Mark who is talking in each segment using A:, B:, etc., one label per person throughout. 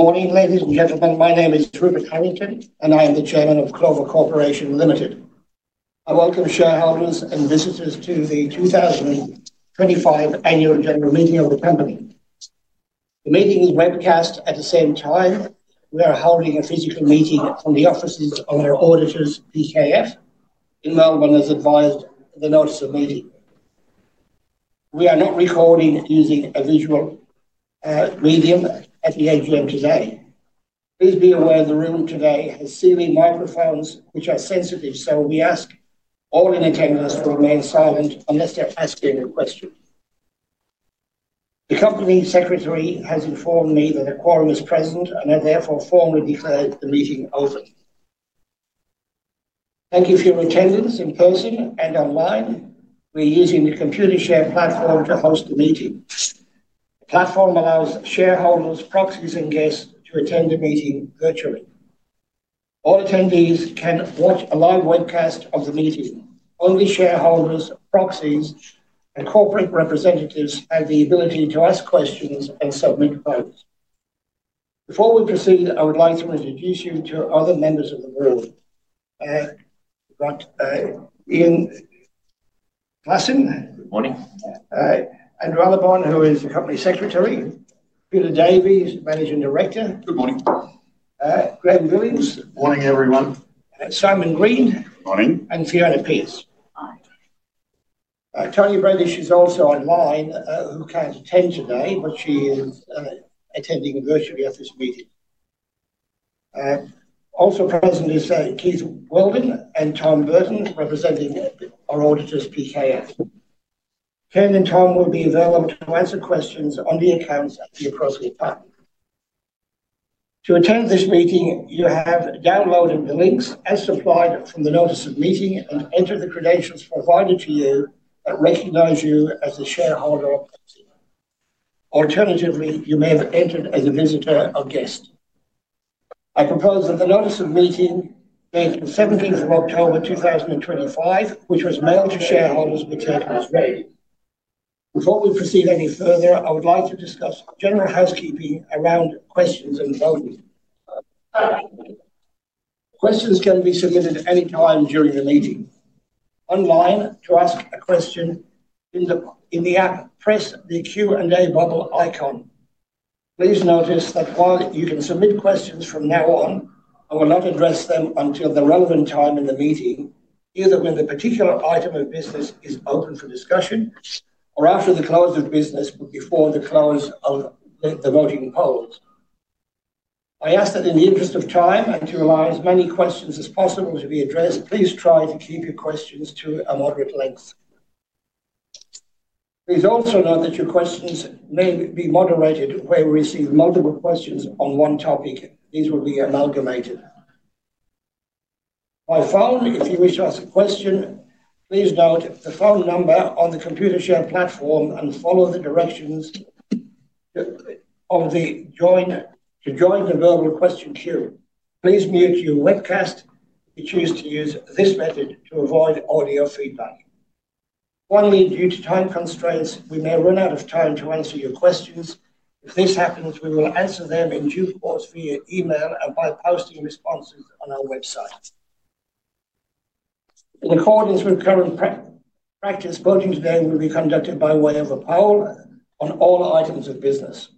A: Good morning, ladies and gentlemen. My name is Rupert Harrington, and I am the Chairman of Clover Corporation Ltd. I welcome shareholders and visitors to the 2025 Annual General Meeting of the company. The meeting is Webcast at the same time. We are holding a Physical Meeting from the offices of our Auditors, PKF, in Melbourne as advised in the notice of meeting. We are not recording using a visual medium at the AGM today. Please be aware the room today has ceiling microphones which are sensitive, so we ask all in attendance to remain silent unless they're asking a question. The Company Secretary has informed me that the quorum is present, and I therefore formally declare the meeting open. Thank you for your attendance in person and online. We're using the Computershare platform to host the meeting. The platform allows shareholders, proxies, and guests to attend the meeting virtually. All attendees can watch a live webcast of the meeting. Only shareholders, proxies, and corporate representatives have the ability to ask questions and submit votes. Before we proceed, I would like to introduce you to other members of the board. I've got Ian Glasson.
B: Good morning.
A: Andrew Allibon, who is the Company Secretary. Peter Davey, Managing Director.
C: Good morning.
A: Greg Williams.
D: Good morning, everyone.
A: Simon Green.
E: Good morning.
A: Fiona Pearce.
F: Hi.
A: Tony Bradish is also online, who can't attend today, but she is attending virtually at this meeting. Also present is Ken Weldin and Tom Burton, representing our auditors, PKF. Ken and Tom will be available to answer questions on the accounts of the appropriate party. To attend this meeting, you have downloaded the links as supplied from the notice of meeting and entered the credentials provided to you that recognize you as a shareholder or proxy. Alternatively, you may have entered as a visitor or guest. I propose that the notice of meeting dated the 17th of October, 2025, which was mailed to shareholders, be taken as read. Before we proceed any further, I would like to discuss General Housekeeping around questions and voting. Questions can be submitted anytime during the meeting. Online, to ask a question in the app, press the Q and A bubble icon. Please notice that while you can submit questions from now on, I will not address them until the relevant time in the meeting, either when the particular item of business is open for discussion or after the close of business, but before the close of the voting polls. I ask that in the interest of time and to realize as many questions as possible to be addressed, please try to keep your questions to a moderate length. Please also note that your questions may be moderated where we receive multiple questions on one topic. These will be amalgamated. By phone, if you wish to ask a question, please note the phone number on the Computershare platform and follow the directions to join the Verbal Question Queue. Please mute your Webcast if you choose to use this method to avoid audio feedback. Finally, due to time constraints, we may run out of time to answer your questions. If this happens, we will answer them in due course via email and by posting responses on our website. In accordance with current practice, voting today will be conducted by way of a poll on all items of business.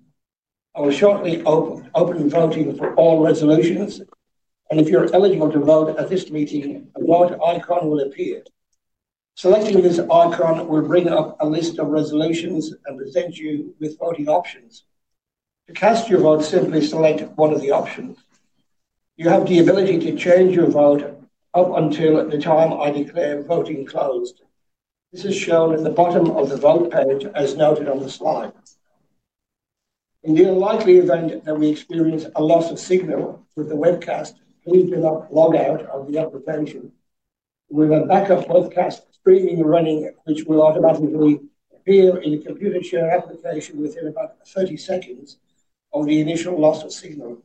A: I will shortly open voting for all resolutions, and if you're eligible to vote at this meeting, a vote icon will appear. Selecting this icon will bring up a list of resolutions and present you with voting options. To cast your vote, simply select one of the options. You have the ability to change your vote up until the time I declare voting closed. This is shown at the bottom of the Vote Page, as noted on the slide. In the unlikely event that we experience a loss of signal with the webcast, please do not log out of the application. We have a Backup Webcast Streaming running, which will automatically appear in the Computershare application within about 30 seconds of the initial loss of signal.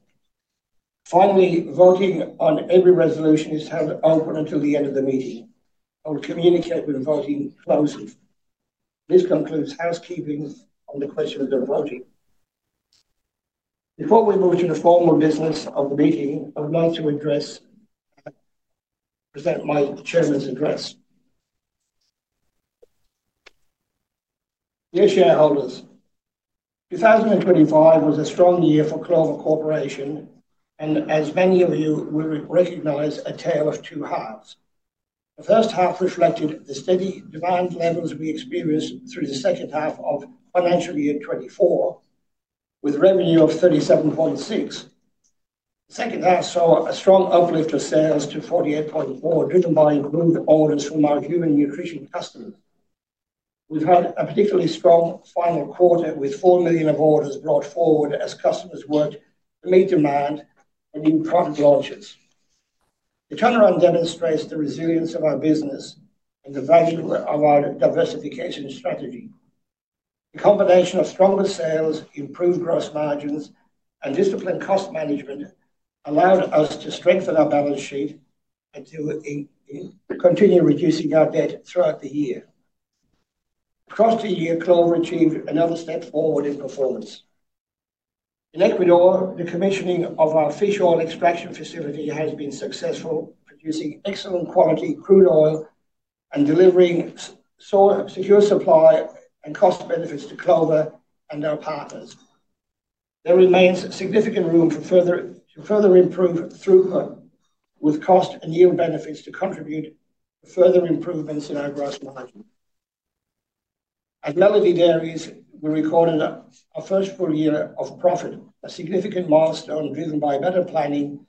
A: Finally, voting on every resolution is held open until the end of the meeting. I will communicate when voting is closed. This concludes housekeeping on the questions of voting. Before we move to the formal business of the meeting, I would like to present my Chairman's address. Dear shareholders, 2025 was a strong year for Clover Corporation, and as many of you will recognize, a tale of two halves. The 1st half reflected the steady demand levels we experienced through the 2nd half of Financial Year 2024, with revenue of 37.6 million. The 2nd half saw a strong uplift of sales to 48.4 million, driven by improved orders from our Human Nutrition Customers. We've had a particularly strong final quarter, with 4 million orders brought forward as customers worked to meet demand and new product launches. The turnaround demonstrates the resilience of our business and the value of our Diversification Strategy. The combination of stronger sales, improved gross margins, and disciplined cost Management allowed us to strengthen our Balance Sheet and to continue reducing our debt throughout the year. Across the year, Clover achieved another step forward in performance. In Ecuador, the commissioning of our Fish Oil Extraction facility has been successful, producing excellent Quality Crude Oil and delivering secure supply and cost benefits to Clover and our partners. There remains significant room to further improve throughput, with cost and yield benefits to contribute to further improvements in our gross margin. At Melody Dairies, we recorded our 1st full year of profit, a significant milestone driven by better planning,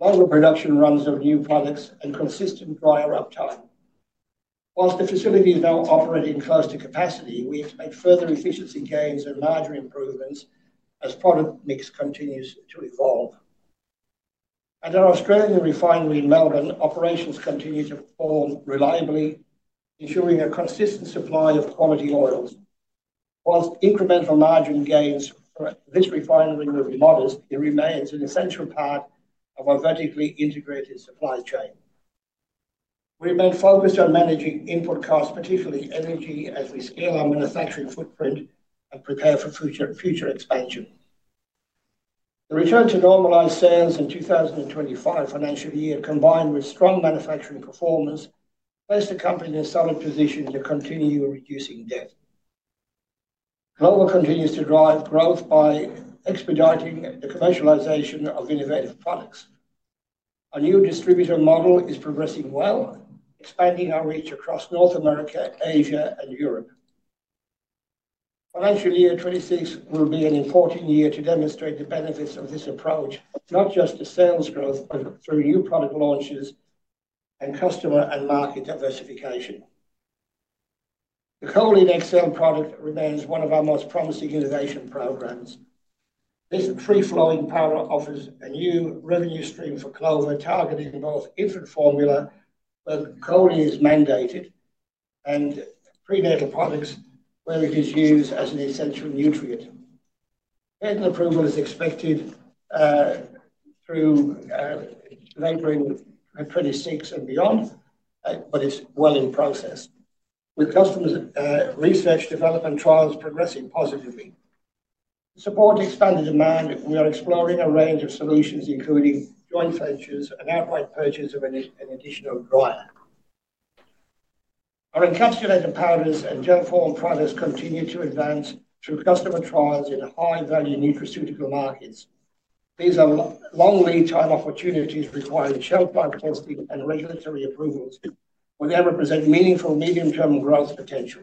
A: longer production runs of new products, and consistent dryer uptime. Whilst the facility is now operating close to capacity, we expect further efficiency gains and larger improvements as product mix continues to evolve. At our Australian refinery in Melbourne, operations continue to perform reliably, ensuring a consistent supply of quality oils. Whilst incremental margin gains for this refinery will be modest, it remains an essential part of our Vertically Integrated Supply Chain. We remain focused on managing input costs, particularly energy, as we scale our manufacturing footprint and prepare for future expansion. The return to normalized sales in 2025 financial year, combined with strong manufacturing performance, placed the company in a solid position to continue reducing debt. Clover continues to drive growth by expediting the Commercialization of Innovative Products. Our new Distributor Model is progressing well, expanding our reach across North America, Asia, and Europe. Financial year 2026 will be an important year to demonstrate the benefits of this approach, not just to sales growth, but through new product launches and customer and market diversification. The Choline XL product remains one of our most promising Innovation Programs. This Free-flowing Powder offers a new revenue stream for Clover, targeting both Infant Formula, where Choline is mandated, and Prenatal Products, where it is used as an essential nutrient. Approval is expected through Labour in 2026 and beyond, but it's well in process, with Customers' Research, Development, and Trials progressing positively. To support expanded demand, we are exploring a range of solutions, including joint ventures and outright purchase of an additional dryer. Our Encapsulated Powders and Gel Form Products continue to advance through customer trials in high-value Nutraceutical markets. These are long lead-time opportunities requiring shelf-life testing and regulatory approvals, where they represent meaningful medium-term growth potential.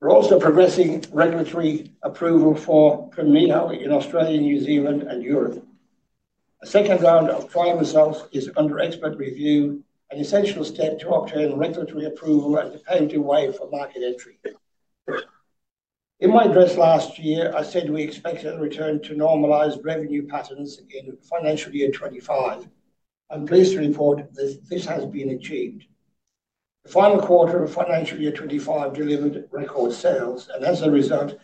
A: We're also progressing regulatory approval for Premneo in Australia, New Zealand, and Europe. A second round of trial results is under expert review, an essential step to obtain regulatory approval and to pave the way for market entry. In my address last year, I said we expected a return to normalized revenue patterns in financial year 2025. I'm pleased to report that this has been achieved. The final quarter of financial year 2025 delivered record sales, and as a result,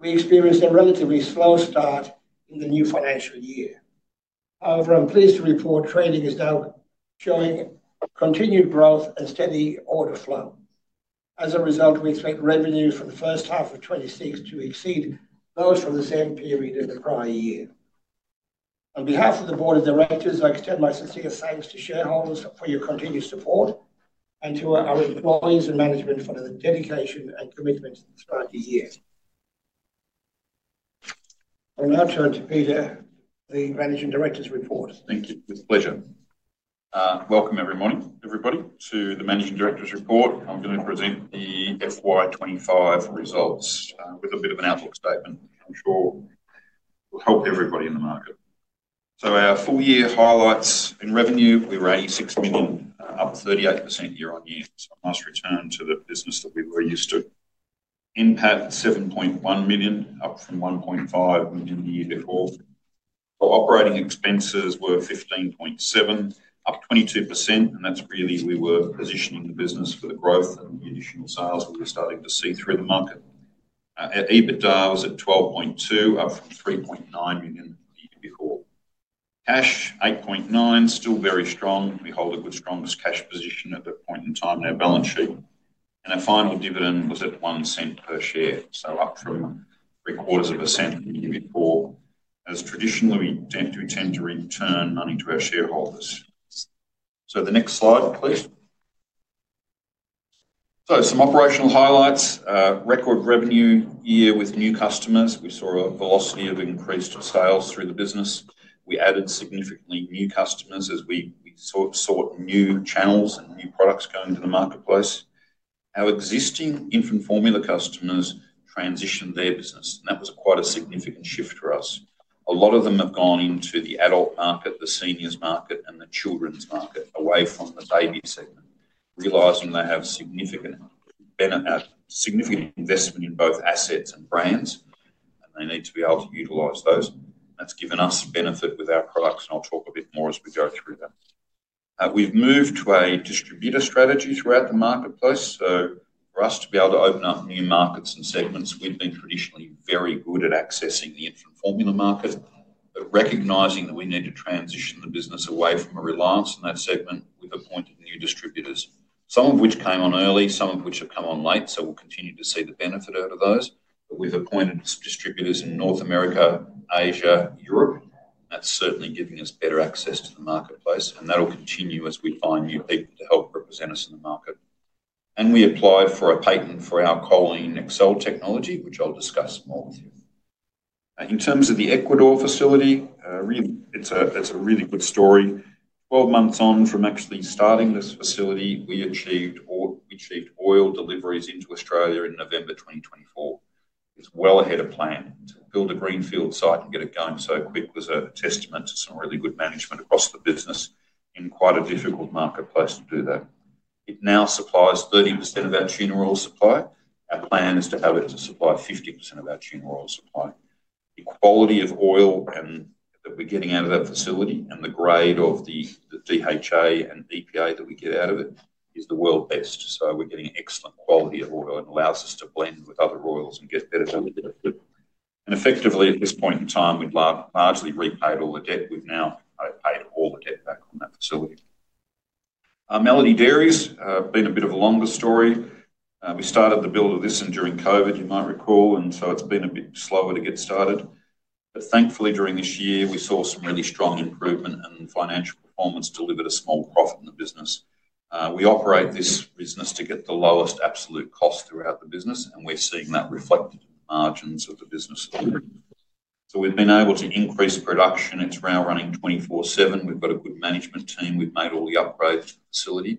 A: we experienced a relatively slow start in the new financial year. However, I'm pleased to report trading is now showing continued growth and steady order flow. As a result, we expect revenues for the 1st half of 2026 to exceed those for the same period in the prior year. On behalf of the Board of Directors, I extend my sincere thanks to shareholders for your continued support and to our employees and Management for the dedication and commitment throughout the year. I'll now turn to Peter, the Managing Director's report.
C: Thank you. It's a pleasure. Welcome every morning, everybody, to the Managing Director's report. I'm going to present the FY 2025 results with a bit of an outlook statement. I'm sure it will help everybody in the market. Our full year highlights in revenue, we were 86 million, up 38% year-on-year. A nice return to the business that we were used to. Impact, 7.1 million, up from 1.5 million the year before. Operating expenses were 15.7 million, up 22%, and that's really we were positioning the business for the growth and the additional sales we were starting to see through the market. EBITDA was at 12.2 million, up from 3.9 million the year before. Cash, 8.9 million, still very strong. We hold a good strongest cash position at that point in time in our Balance Sheet. Our final dividend was at 0.01 per share, up from 0.0075 the year before, as traditionally we tend to return money to our shareholders. The next slide, please. Some operational highlights. Record revenue year with new customers. We saw a velocity of increased sales through the business. We added significantly new customers as we sought new channels and new products going to the marketplace. Our existing Infant Formula Customers transitioned their business, and that was quite a significant shift for us. A lot of them have gone into the Adult Market, the Seniors' Market, and the Children's Market, away from the Baby Segment, realizing they have significant investment in both assets and brands, and they need to be able to utilize those. That has given us benefit with our products, and I'll talk a bit more as we go through that. We've moved to a Distributor Strategy throughout the marketplace. For us to be able to open up new markets and segments, we've been traditionally very good at accessing the Infant Formula Market, but recognizing that we need to transition the business away from a reliance on that segment, we've appointed new distributors, some of which came on early, some of which have come on late. We'll continue to see the benefit out of those. We've appointed distributors in North America, Asia, Europe. That's certainly giving us better access to the marketplace, and that'll continue as we find new people to help represent us in the market. We applied for a patent for our Choline XL technology, which I'll discuss more with you. In terms of the Ecuador facility, it's a really good story. Twelve months on from actually starting this facility, we achieved oil deliveries into Australia in November 2024. It is well ahead of plan. To build a Greenfield site and get it going so quick was a testament to some really good Management across the business in quite a difficult marketplace to do that. It now supplies 30% of our General Oil Supply. Our plan is to have it to supply 50% of our General Oil Supply. The quality of oil that we are getting out of that facility and the grade of the DHA and EPA that we get out of it is the world best. We are getting excellent quality of oil and it allows us to blend with other oils and get better value. Effectively, at this point in time, we have largely repaid all the debt. We have now paid all the debt back on that facility. Melody Dairies, been a bit of a longer story. We started the build of this during COVID, you might recall, and it has been a bit slower to get started. Thankfully, during this year, we saw some really strong improvement in financial performance to deliver a small profit in the business. We operate this business to get the lowest absolute cost throughout the business, and we are seeing that reflected in the margins of the business. We have been able to increase production. It is now running 24/7. We have got a good Management team. We have made all the upgrades to the facility,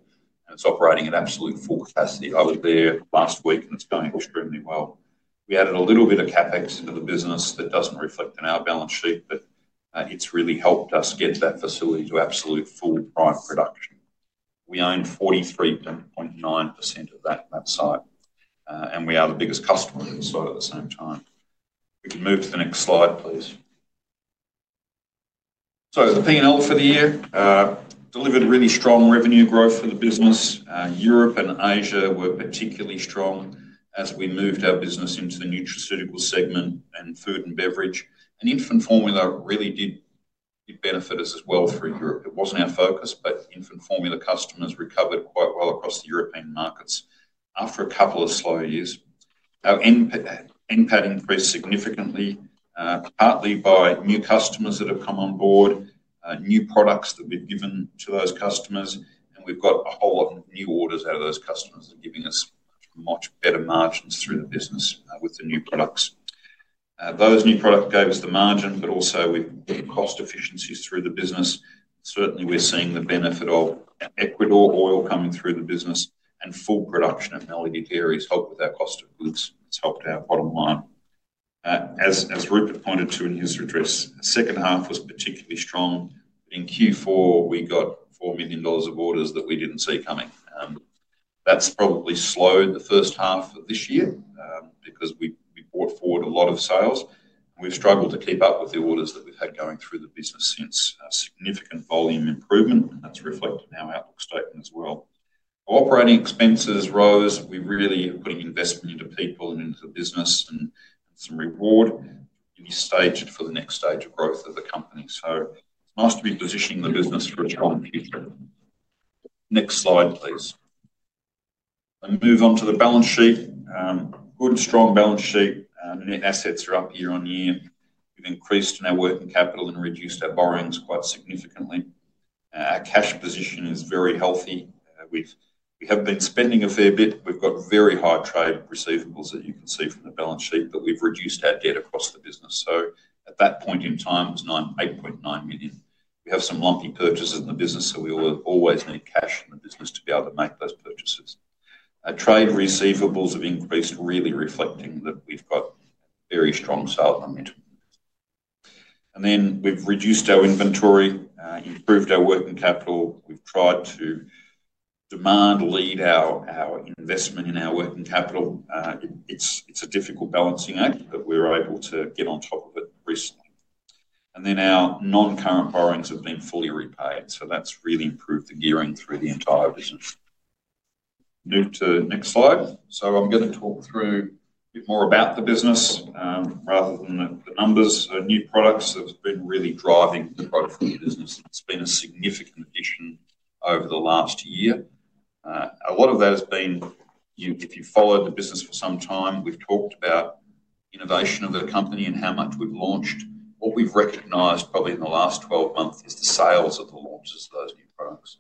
C: and it is operating at absolute full capacity. I was there last week, and it is going extremely well. We added a little bit of CapEx into the business that does not reflect in our Balance Sheet, but it has really helped us get that facility to absolute full production. We own 43.9% of that site, and we are the biggest customer on the site at the same time. We can move to the next slide, please. The P&L for the year delivered really strong revenue growth for the business. Europe and Asia were particularly strong as we moved our business into the Nutraceutical Segment and Food and Beverage. Infant Formula really did benefit us as well through Europe. It was not our focus, but Infant Formula Customers recovered quite well across the European markets after a couple of slow years. Our impact increased significantly, partly by new customers that have come on board, new products that we have given to those customers, and we have got a whole lot of new orders out of those customers that are giving us much better margins through the business with the new products. Those new products gave us the margin, but also we've improved cost efficiencies through the business. Certainly, we're seeing the benefit of Ecuador Oil coming through the business and full production of Melody Dairies helped with our cost of goods. It's helped our bottom line. As Rupert pointed to in his address, the 2nd half was particularly strong. In Q4, we got 4 million dollars of orders that we didn't see coming. That's probably slowed the 1st half of this year because we brought forward a lot of sales. We've struggled to keep up with the orders that we've had going through the business since. Significant volume improvement, and that's reflected in our outlook statement as well. Operating expenses rose. We really are putting investment into people and into the business and some reward to be staged for the next stage of growth of the company. It's nice to be positioning the business for a strong future. Next slide, please. I'll move on to the Balance Sheet. Good, strong Balance Sheet. Net assets are up year-on-year. We've increased in our working capital and reduced our borrowings quite significantly. Our cash position is very healthy. We have been spending a fair bit. We've got very High Trade Receivables that you can see from the Balance Sheet, but we've reduced our debt across the business. At that point in time, it was 8.9 million. We have some lumpy purchases in the business, so we always need cash in the business to be able to make those purchases. Trade receivables have increased, really reflecting that we've got very strong sales momentum. We've reduced our inventory, improved our working capital. We've tried to demand lead our investment in our working capital. It's a difficult balancing act, but we're able to get on top of it recently. Our non-current borrowings have been fully repaid, so that's really improved the gearing through the entire business. Next slide. I'm going to talk through a bit more about the business rather than the numbers. New products have been really driving the growth of the business. It's been a significant addition over the last year. A lot of that has been, if you've followed the business for some time, we've talked about innovation of the company and how much we've launched. What we've recognized probably in the last 12 months is the sales of the launches of those new products.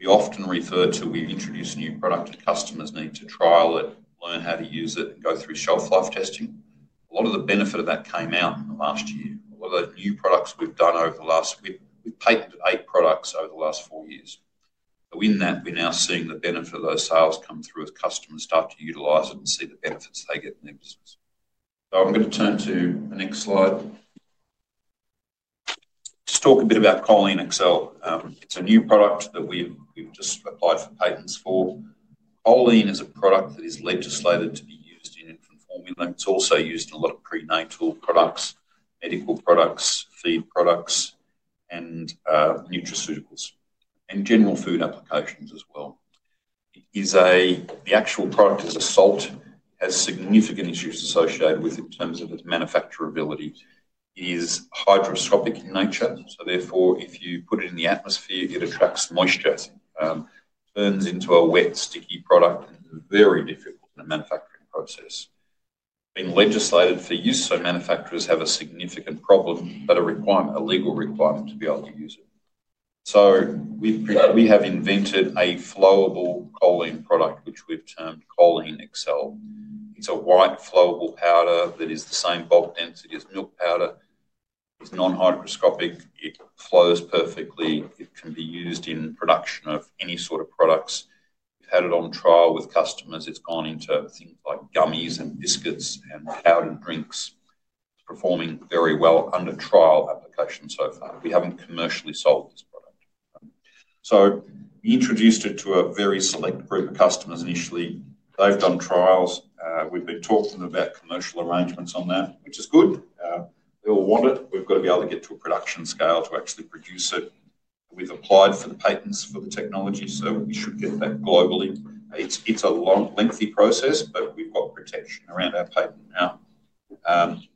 C: We often refer to we introduce a new product to customers' need to trial it, learn how to use it, and go through Shelf-life Testing. A lot of the benefit of that came out in the last year. A lot of those new products we've done over the last week, we've patented eight products over the last four years. In that, we're now seeing the benefit of those sales come through as customers start to utilize it and see the benefits they get in their business. I'm going to turn to the next slide. Just talk a bit about Choline XL. It's a new product that we've just applied for patents for. Choline is a product that is legislated to be used in Infant Formula. It's also used in a lot of Prenatal Products, Medical products, feed products, and Nutraceuticals, and general food applications as well. The actual product is a salt. It has significant issues associated with it in terms of its manufacturability. It is Hygroscopic in nature, so therefore, if you put it in the atmosphere, it attracts moisture, turns into a wet, sticky product, and is very difficult in the manufacturing process. It's been legislated for use, so manufacturers have a significant problem, but a legal requirement to be able to use it. So we have invented a flowable Choline product, which we've termed Choline XL. It's a white flowable powder that is the same bulk density as milk powder. It's Non-hygroscopic. It flows perfectly. It can be used in production of any sort of products. We've had it on trial with customers. It's gone into things like gummies and biscuits and powdered drinks. It's performing very well under trial application so far. We haven't commercially sold this product. So we introduced it to a very select group of customers initially. They've done trials. We've been talking to them about Commercial Arrangements on that, which is good. They all want it. We've got to be able to get to a production scale to actually produce it. We've applied for the patents for the technology, so we should get that globally. It's a lengthy process, but we've got protection around our patent now.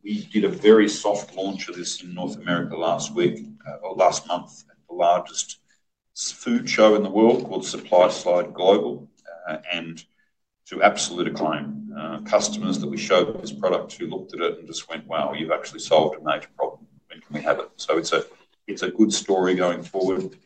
C: We did a very soft launch of this in North America last week or last month at the largest food show in the world called SupplySide Global, and to absolute acclaim, customers that we showed this product to looked at it and just went, "Wow, you've actually solved a major problem. When can we have it?" It is a good story going forward.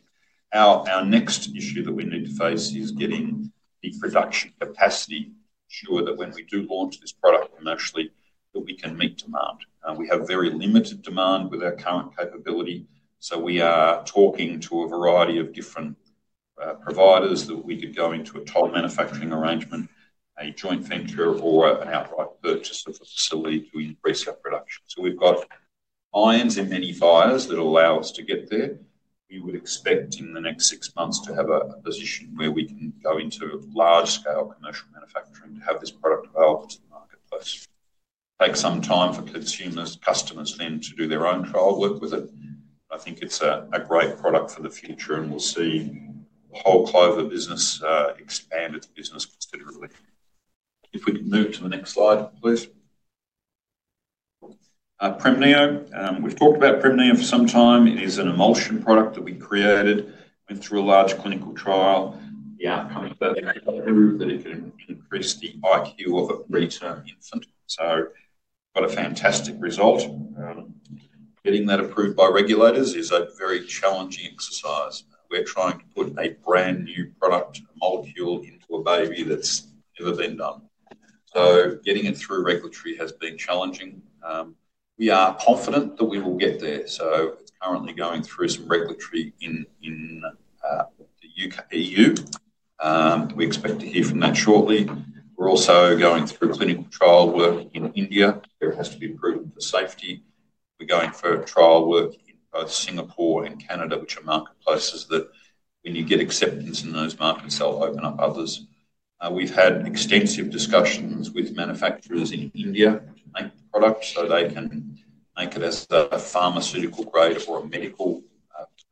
C: Our next issue that we need to face is getting the production capacity sure that when we do launch this product commercially, that we can meet demand. We have very limited demand with our current capability, so we are talking to a variety of different providers that we could go into a top Manufacturing Arrangement, a joint venture, or an outright purchase of the facility to increase our production. We have got irons in many fires that allow us to get there. We would expect in the next six months to have a position where we can go into large-scale commercial manufacturing to have this product available to the marketplace. It takes some time for consumers, customers then to do their own trial work with it. I think it is a great product for the future, and we will see the whole Clover business expand its business considerably. If we can move to the next slide, please. Premneo. We have talked about Premneo for some time. It is an Emulsion Product that we created. Went through a large clinical trial. The outcome of that is that it can increase the IQ of a Preterm Infant. We've got a fantastic result. Getting that approved by regulators is a very challenging exercise. We're trying to put a brand new product, a molecule, into a baby that's never been done. Getting it through regulatory has been challenging. We are confident that we will get there. It's currently going through some regulatory in the EU. We expect to hear from that shortly. We're also going through clinical trial work in India. There has to be proven for safety. We're going for trial work in both Singapore and Canada, which are marketplaces that when you get acceptance in those markets, they'll open up others. We've had extensive discussions with manufacturers in India to make the product so they can make it as a pharmaceutical grade or a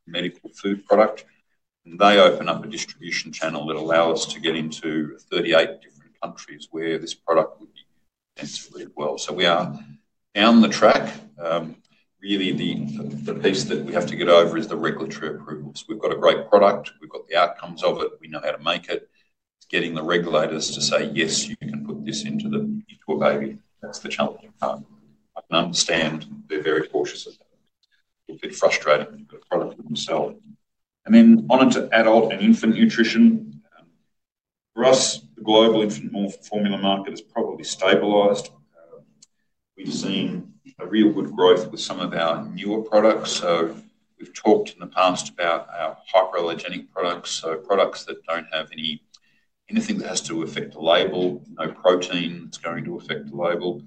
C: Medical food product. They open up a Distribution Channel that allows us to get into 38 different countries where this product would be sensibly well. We are down the track. Really, the piece that we have to get over is the Regulatory Approvals. We've got a great product. We've got the outcomes of it. We know how to make it. It's getting the regulators to say, "Yes, you can put this into a baby." That's the challenging part. I can understand. They're very cautious of that. It's a bit frustrating when you've got a product that you sell. On to adult and Infant nutrition. For us, the Global Infant Formula market has probably stabilized. We've seen a real good growth with some of our newer products. We have talked in the past about our Hypoallergenic products, so products that do not have anything that has to affect the label, no protein that is going to affect the label,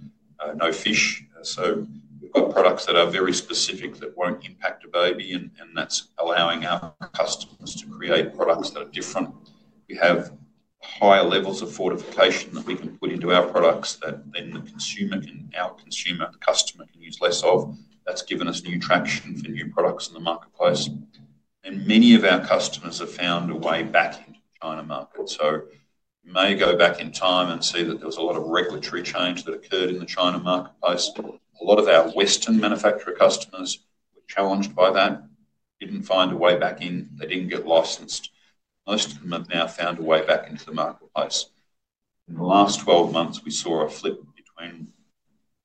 C: no fish. We have products that are very specific that will not impact a baby, and that is allowing our customers to create products that are different. We have higher levels of fortification that we can put into our products that then the consumer and our consumer, the customer, can use less of. That has given us new traction for new products in the marketplace. Many of our customers have found a way back into the China market. You may go back in time and see that there was a lot of regulatory change that occurred in the China marketplace. A lot of our Western manufacturer customers were challenged by that, did not find a way back in. They didn't get licensed. Most of them have now found a way back into the marketplace. In the last 12 months, we saw a flip between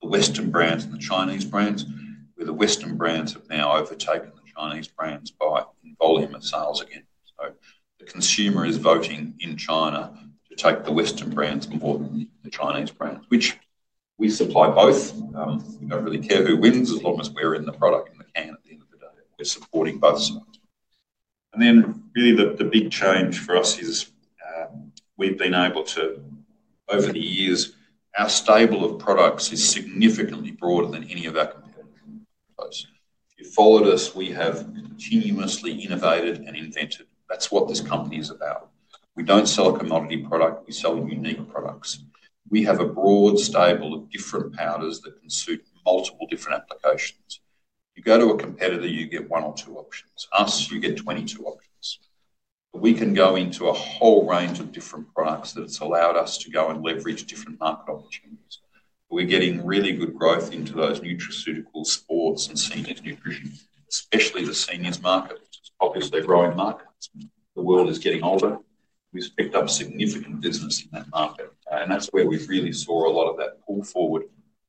C: the Western brands and the Chinese brands, where the Western brands have now overtaken the Chinese brands by volume of sales again. The consumer is voting in China to take the Western brands more than the Chinese brands, which we supply both. We don't really care who wins as long as we're in the product in the can at the end of the day. We're supporting both sides. The big change for us is we've been able to, over the years, our stable of products is significantly broader than any of our competitors in the marketplace. If you followed us, we have continuously innovated and invented. That's what this company is about. We don't sell a commodity product. We sell unique products. We have a broad stable of different powders that can suit multiple different applications. You go to a competitor, you get one or two options. Us, you get 22 options. We can go into a whole range of different products that have allowed us to go and leverage different market opportunities. We're getting really good growth into those Nutraceuticals, sports, and seniors' nutrition, especially the seniors' market, which is obviously a growing market. The world is getting older. We've picked up significant business in that market, and that's where we really saw a lot of that pull forward,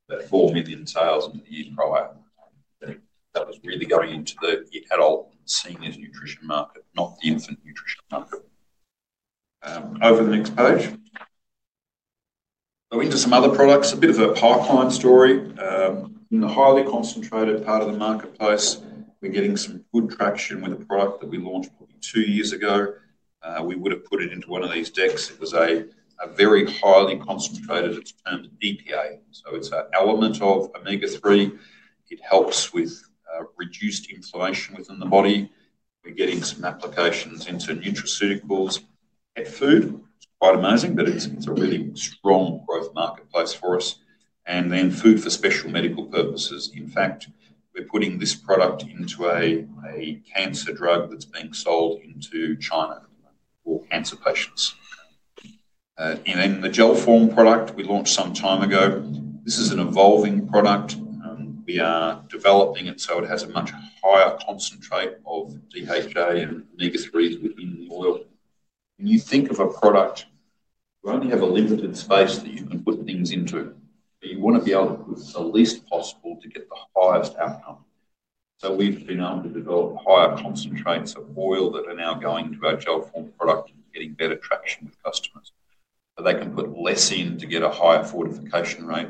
C: that 4 million sales in the year prior. That was really going into the adult and seniors' nutrition market, not the Infant nutrition market. Over the next page. Going to some other products, a bit of a pipeline story. In the highly concentrated part of the marketplace, we're getting some good traction with a product that we launched probably two years ago. We would have put it into one of these decks. It was a very highly concentrated. It's termed DPA. So it's an element of Omega-3. It helps with reduced inflammation within the body. We're getting some applications into Nutraceuticals at food. It's quite amazing, but it's a really strong growth marketplace for us. And then food for special Medical purposes. In fact, we're putting this product into a Cancer Drug that's being sold into China for cancer patients. The Gel Form product we launched some time ago. This is an evolving product. We are developing it, so it has a much higher concentrate of DHA and Omega-3s within the oil. When you think of a product, you only have a limited space that you can put things into. You want to be able to put the least possible to get the highest outcome. We've been able to develop higher concentrates of oil that are now going to our Gel Form product and getting better traction with customers. They can put less in to get a higher Fortification Rate.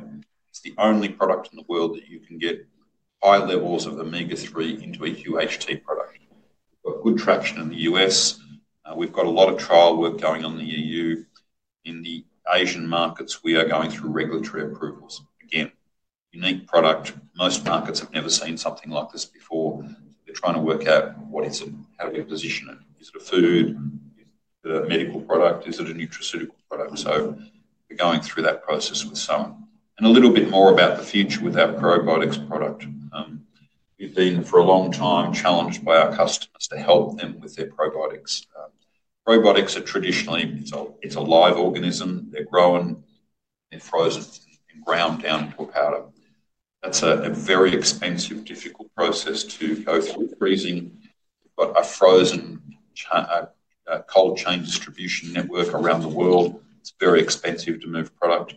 C: It's the only product in the world that you can get high levels of Omega-3 into a UHT product. We've got good traction in the U.S. We've got a lot of trial work going on in the EU. In the Asian markets, we are going through regulatory approvals. Again, unique product. Most markets have never seen something like this before. They're trying to work out what is it, how do we position it. Is it a food? Is it a Medical product? Is it a Nutraceutical product? We're going through that process with some. A little bit more about the future with our Probiotics product. We've been for a long time challenged by our customers to help them with their Probiotics. Probiotics are traditionally, it's a live organism. They're grown, they're frozen, and ground down into a powder. That's a very expensive, difficult process to go through freezing. We've got a Frozen Cold Chain Distribution Network around the world. It's very expensive to move product.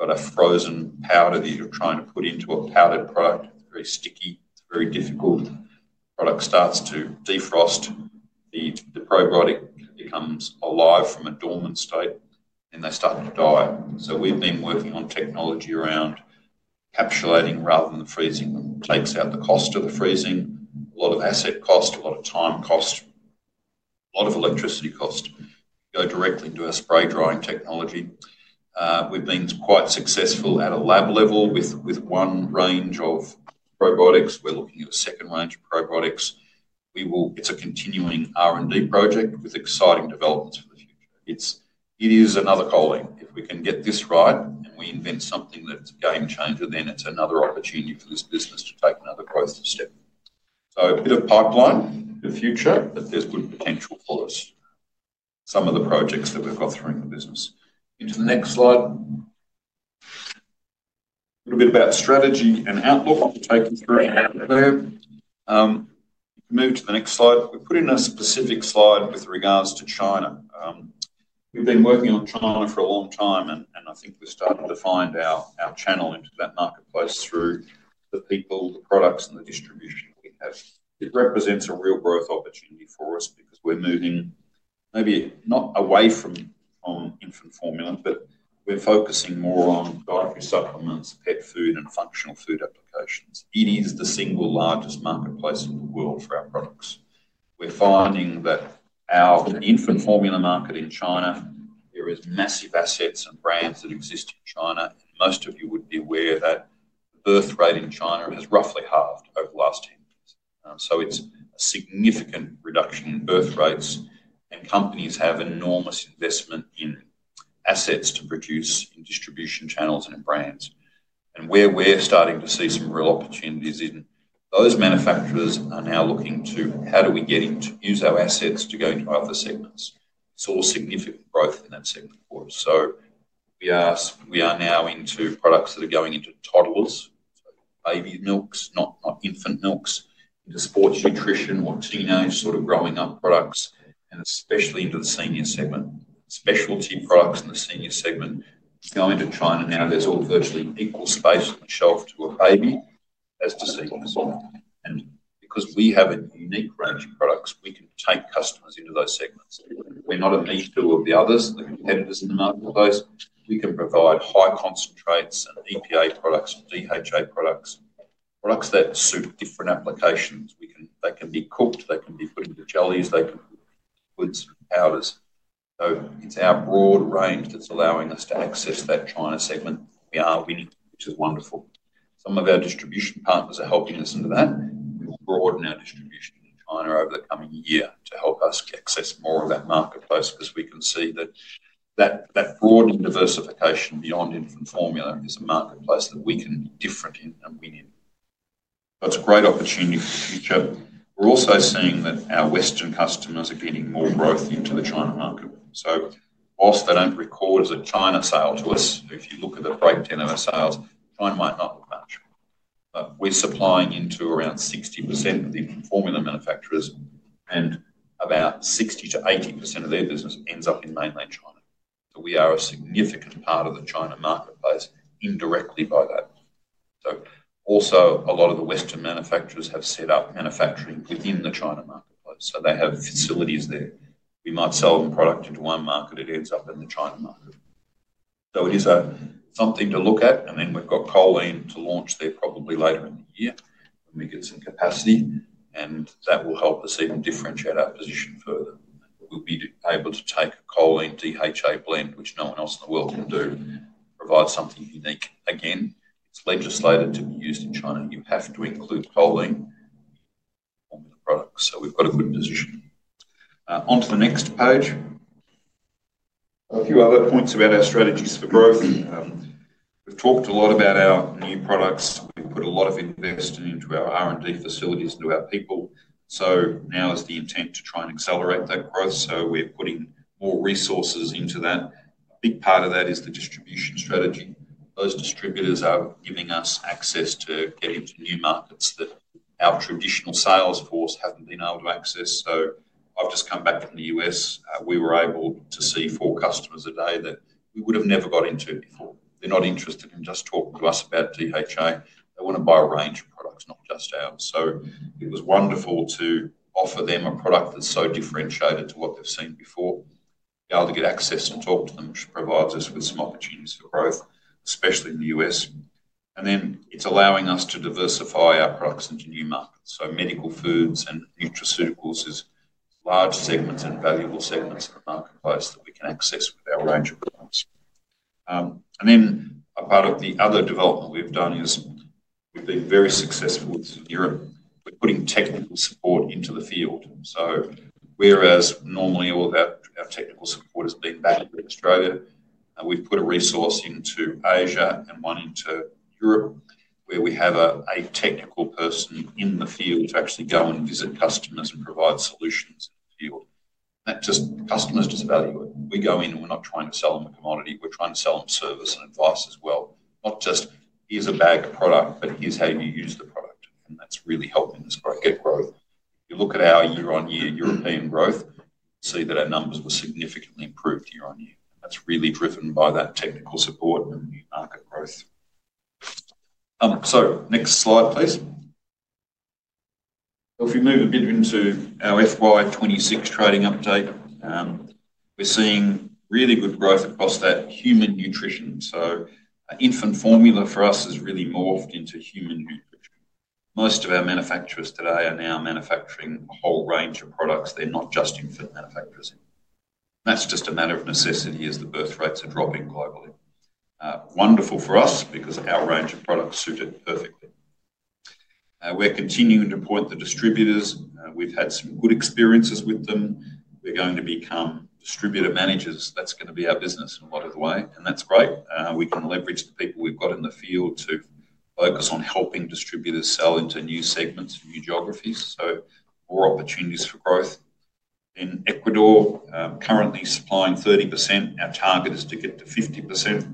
C: You've got a Frozen Powder that you're trying to put into a powdered product. It's very sticky. It's very difficult. The product starts to defrost. The probiotic becomes alive from a dormant state, and they start to die. We've been working on technology around encapsulating rather than freezing. It takes out the cost of the freezing, a lot of asset cost, a lot of time cost, a lot of electricity cost. We go directly into our Spray Drying Technology. We've been quite successful at a lab level with one range of Probiotics. We're looking at a 2nd range of Probiotics. It's a continuing R&D project with exciting developments for the future. It is another Choline. If we can get this right and we invent something that's a game changer, then it's another opportunity for this business to take another growth step. A bit of pipeline for the future, but there's good potential for us. Some of the projects that we've got through in the business. Into the next slide. A little bit about strategy and outlook. We'll take you through it. You can move to the next slide. We've put in a specific slide with regards to China. We've been working on China for a long time, and I think we're starting to find our channel into that marketplace through the people, the products, and the distribution that we have. It represents a real growth opportunity for us because we're moving maybe not away from Infant Formula, but we're focusing more on dietary supplements, pet food, and functional food applications. It is the single largest marketplace in the world for our products. We're finding that our Infant Formula market in China, there are massive assets and brands that exist in China. Most of you would be aware that the birth rate in China has roughly halved over the last 10 years. It is a significant reduction in birth rates, and companies have enormous investment in assets to produce in distribution channels and in brands. Where we're starting to see some real opportunities in, those manufacturers are now looking to, how do we get into use our assets to go into other segments? We saw significant growth in that segment for us. We are now into products that are going into Toddlers, Baby milks, not Infant milks, into Sports nutrition or Teenage sort of growing up products, and especially into the Senior segment. Specialty products in the Senior segment. Going to China now, there's all virtually equal space on the shelf to a baby as to see consumer. Because we have a unique range of products, we can take customers into those segments. We're not a meathood of the others, the competitors in the marketplace. We can provide high concentrates and EPA products, DHA products, products that suit different applications. They can be cooked. They can be put into jellies. They can be put into foods and powders. It is our broad range that is allowing us to access that China segment. We are winning, which is wonderful. Some of our distribution partners are helping us into that. We will broaden our distribution in China over the coming year to help us access more of that marketplace because we can see that broadening diversification beyond Infant Formula is a marketplace that we can be different in and win in. That is a great opportunity for the future. We are also seeing that our Western customers are getting more growth into the China market. Whilst they do not record as a China sale to us, if you look at the breakdown of our sales, China might not look much. We are supplying into around 60% of the Infant Formula manufacturers, and about 60-80% of their business ends up in mainland China. We are a significant part of the China marketplace indirectly by that. Also, a lot of the Western manufacturers have set up manufacturing within the China marketplace. They have facilities there. We might sell them product into one market. It ends up in the China market. It is something to look at. We have Choline to launch there probably later in the year when we get some capacity, and that will help us even differentiate our position further. We will be able to take a Choline DHA blend, which no one else in the world can do, provide something unique. Again, it is legislated to be used in China. You have to include Choline in formula products. We have a good position. Onto the next page. A few other points about our strategies for growth. We have talked a lot about our new products. We've put a lot of investment into our R&D facilities, into our people. Now is the intent to try and accelerate that growth. We're putting more resources into that. A big part of that is the distribution strategy. Those distributors are giving us access to get into new markets that our traditional sales force hasn't been able to access. I've just come back from the U.S. We were able to see four customers a day that we would have never got into before. They're not interested in just talking to us about DHA. They want to buy a range of products, not just ours. It was wonderful to offer them a product that's so differentiated to what they've seen before. We're able to get access and talk to them, which provides us with some opportunities for growth, especially in the U.S. It is allowing us to diversify our products into new markets. Medical foods and Nutraceuticals are large segments and valuable segments in the marketplace that we can access with our range of products. A part of the other development we have done is we have been very successful with some Europe. We are putting technical support into the field. Whereas normally all of our technical support has been back in Australia, we have put a resource into Asia and one into Europe, where we have a Technical Person in the field to actually go and visit customers and provide solutions in the field. Customers just value it. We go in and we are not trying to sell them a commodity. We are trying to sell them service and advice as well. Not just, "Here's a bag of product," but, "Here's how you use the product." That is really helping us get growth. If you look at our year-on-year European growth, you'll see that our numbers were significantly improved year-on-year. That is really driven by that Technical Support and new market growth. Next slide, please. If we move a bit into our FY 2026 trading update, we're seeing really good growth across that human nutrition. Infant Formula for us has really morphed into human nutrition. Most of our manufacturers today are now manufacturing a whole range of products. They're not just Infant manufacturers. That is just a matter of necessity as the birth rates are dropping globally. Wonderful for us because our range of products suited perfectly. We're continuing to point the distributors. We've had some good experiences with them. We're going to become Distributor Managers. That's going to be our business in a lot of the way. That's great. We can leverage the people we've got in the field to focus on helping distributors sell into new segments and new geographies. More opportunities for growth. In Ecuador, currently supplying 30%. Our target is to get to 50%,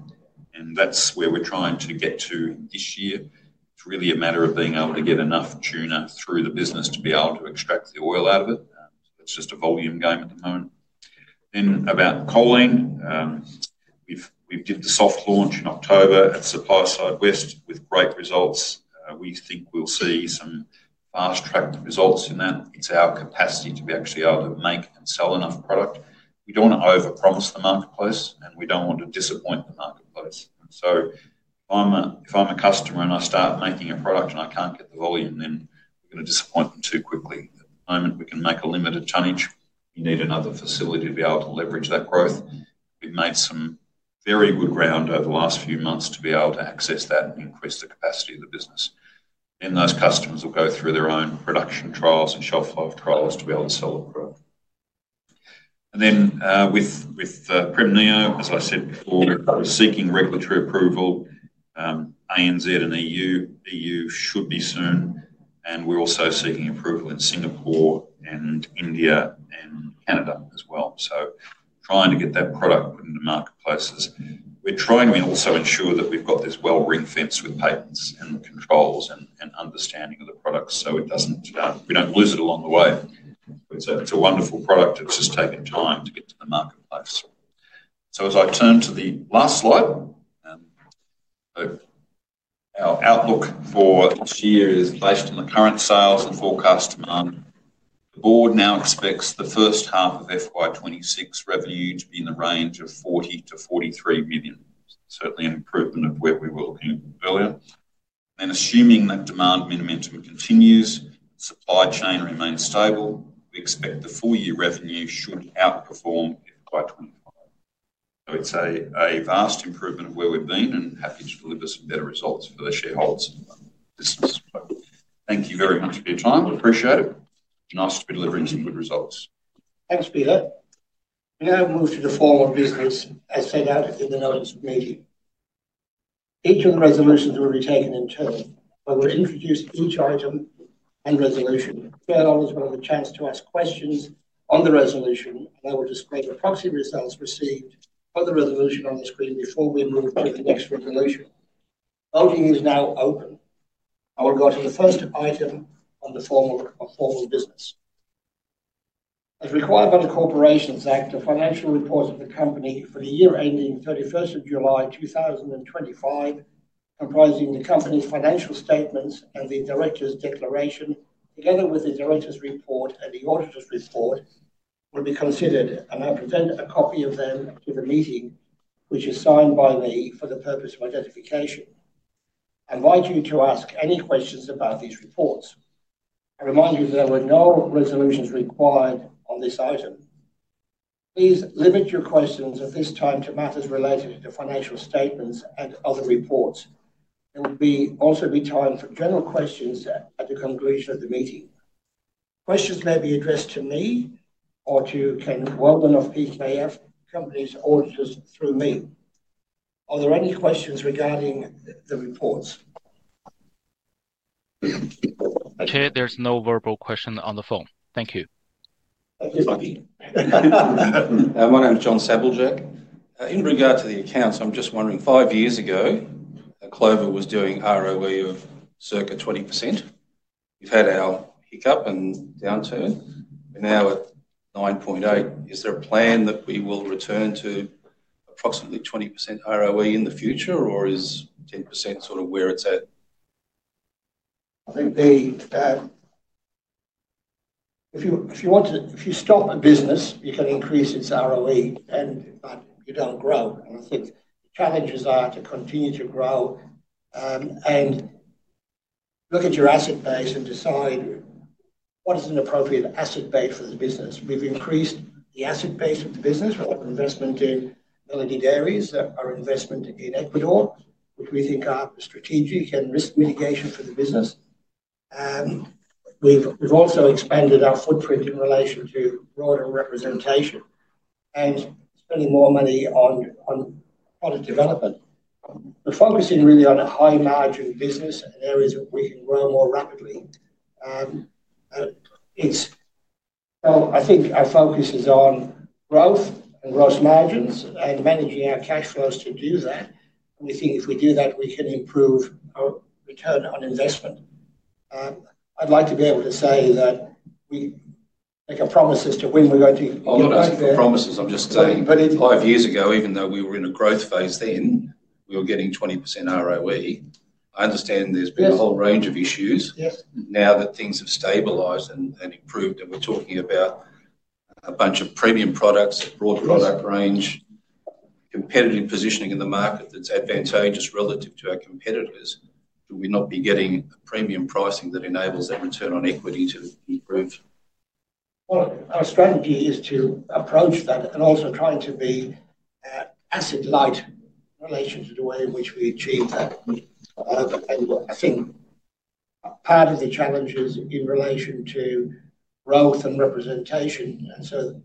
C: and that's where we're trying to get to this year. It's really a matter of being able to get enough tuna through the business to be able to extract the oil out of it. It's just a volume game at the moment. About Choline, we did the soft launch in October at SupplySide West with great results. We think we'll see some fast-tracked results in that. It's our capacity to be actually able to make and sell enough product. We don't want to overpromise the marketplace, and we don't want to disappoint the marketplace. If I'm a customer and I start making a product and I can't get the volume, then we're going to disappoint them too quickly. At the moment, we can make a limited tonnage. We need another facility to be able to leverage that growth. We've made some very good ground over the last few months to be able to access that and increase the capacity of the business. Those customers will go through their own production trials and Shelf-life Trials to be able to sell the product. With Premneo, as I said before, we're seeking regulatory approval, ANZ and EU. EU should be soon. We're also seeking approval in Singapore and India and Canada as well. Trying to get that product into marketplaces. We're trying to also ensure that we've got this well-ringed fence with patents and controls and understanding of the product so we don't lose it along the way. It's a wonderful product. It's just taken time to get to the marketplace. As I turn to the last slide, our outlook for this year is based on the current sales and forecast demand. The board now expects the 1st half of FY2026 revenue to be in the range of 40 million-43 million. Certainly an improvement of where we were looking earlier. Assuming that demand momentum continues, supply chain remains stable, we expect the full-year revenue should outperform FY 2025. It's a vast improvement of where we've been and happy to deliver some better results for the shareholders in the business. Thank you very much for your time. We appreciate it. Nice to be delivering some good results.
A: Thanks, Peter. We now move to the formal business as set out in the notice of meeting. Each of the resolutions will be taken in turn. I will introduce each item and resolution. Chair Oliver's got a chance to ask questions on the resolution, and I will display the proxy results received for the resolution on the screen before we move to the next resolution. Voting is now open. I will go to the first item on the formal business. As required by the Corporations Act, a financial report of the company for the year ending 31st of July 2025, comprising the company's financial statements and the Director's declaration, together with the Director's report and the auditor's report, will be considered. I will present a copy of them to the meeting, which is signed by me for the purpose of identification. I invite you to ask any questions about these reports. I remind you that there were no resolutions required on this item. Please limit your questions at this time to matters related to financial statements and other reports. There will also be time for general questions at the conclusion of the meeting. Questions may be addressed to me or to Ken Weldin of PKF, companies' auditors through me. Are there any questions regarding the reports?
G: Okay. There is no verbal question on the phone. Thank you.
H: My name's John Sabljak. In regard to the accounts, I'm just wondering, five years ago, Clover was doing ROE of circa 20%. We've had our Hiccup and Downturn. We're now at 9.8%. Is there a plan that we will return to approximately 20% ROE in the future, or is 10% sort of where it's at?
A: I think if you stop a business, you can increase its ROE, but you do not grow. I think the challenges are to continue to grow and look at your asset base and decide what is an appropriate asset base for the business. We have increased the asset base of the business. Of investment in Melody Dairies, our investment in Ecuador, which we think are strategic and risk mitigation for the business. We have also expanded our footprint in relation to broader representation and spending more money on product development. We are focusing really on a high-margin business and areas where we can grow more rapidly. I think our focus is on growth and gross margins and managing our Cash Flows to do that. We think if we do that, we can improve our Return on Investment. I'd like to be able to say that we make our promises to when we're going to.
H: You're not making promises. I'm just saying. Five years ago, even though we were in a growth phase then, we were getting 20% ROE. I understand there's been a whole range of issues. Now that things have stabilized and improved and we're talking about a bunch of premium products, broad product range, competitive positioning in the market that's advantageous relative to our competitors, do we not be getting a premium pricing that enables that return on equity to improve?
A: Our strategy is to approach that and also trying to be Asset-light in relation to the way in which we achieve that. I think part of the challenge is in relation to growth and representation.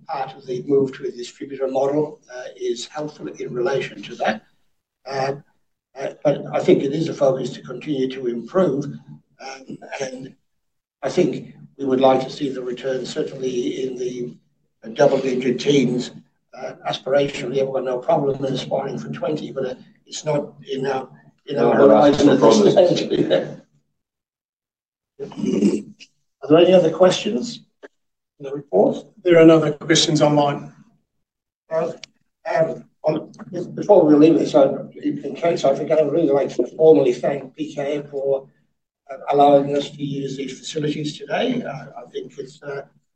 A: Part of the move to a Distributor Model is helpful in relation to that. I think it is a focus to continue to improve. I think we would like to see the return, certainly in the Double-digit teens. Aspirationally, everyone had no problem in aspiring for 20%, but it is not in our horizon at this stage. Are there any other questions in the report? There are no other questions online. Before we leave the show, in case I forget, I really would like to formally thank PKF for allowing us to use these facilities today. I think it is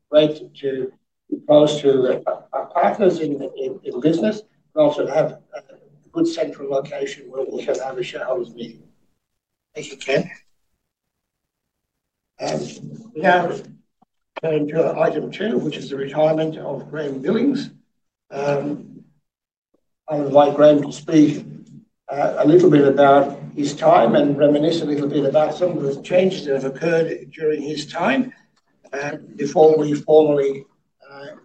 A: great to be close to our partners in business and also to have a good central location where we can have a shareholders' meeting. Thank you, Ken. We now turn to item two, which is the retirement of Graeme Billings. I would like Graeme to speak a little bit about his time and reminisce a little bit about some of the changes that have occurred during his time before we formally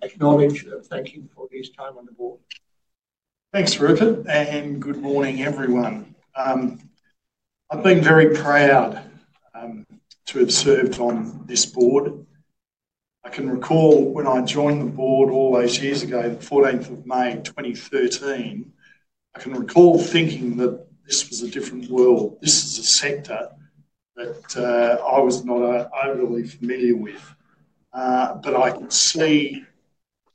A: acknowledge and thank him for his time on the board.
I: Thanks, Rupert. Good morning, everyone. I've been very proud to have served on this board. I can recall when I joined the board all those years ago, the 14th of May, 2013. I can recall thinking that this was a different world. This is a sector that I was not overly familiar with. I could see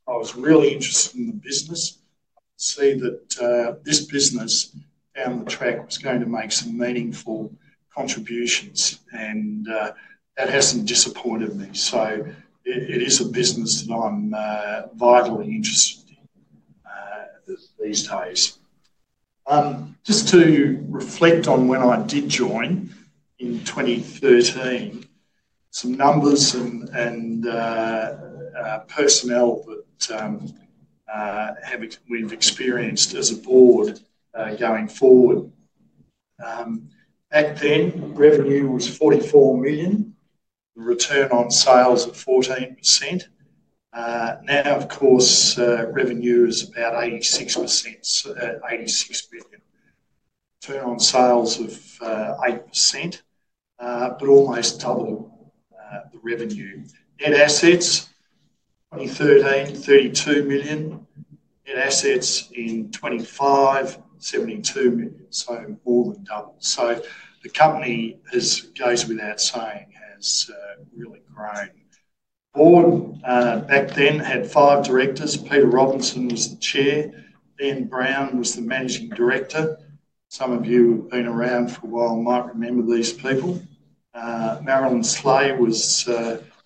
I: I was really interested in the business. I could see that this business, down the track, was going to make some meaningful contributions. That hasn't disappointed me. It is a business that I'm vitally interested in these days. Just to reflect on when I did join in 2013, some numbers and personnel that we've experienced as a board going forward. Back then, revenue was 44 million. The return on sales of 14%. Now, of course, revenue is about 86 million. Return on sales of 8%, but almost double the revenue. Net assets, 2013, 32 million. Net assets in 2025, 72 million. So more than double. The company goes without saying has really grown. The board back then had five Directors. Peter Robinson was the chair. Ben Brown was the Managing Director. Some of you who've been around for a while might remember these people. Marilyn Slay was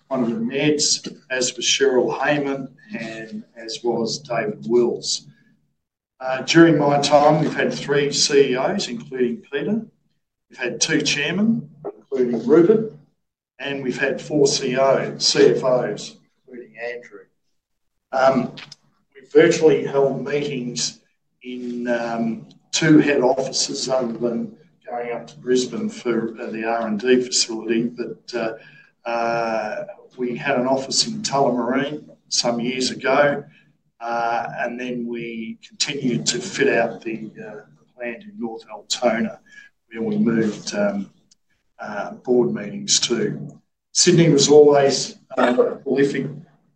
I: one of the meds, as was Cheryl Hayman, and as was David Wills. During my time, we've had three CEOs, including Peter. We've had two chairmen, including Rupert. And we've had four CFOs, including Andrew. We virtually held meetings in two head offices other than going up to Brisbane for the R&D facility. We had an office in Tullamarine some years ago. We continued to fit out the plant to North Altona, where we moved board meetings to. Sydney was always a prolific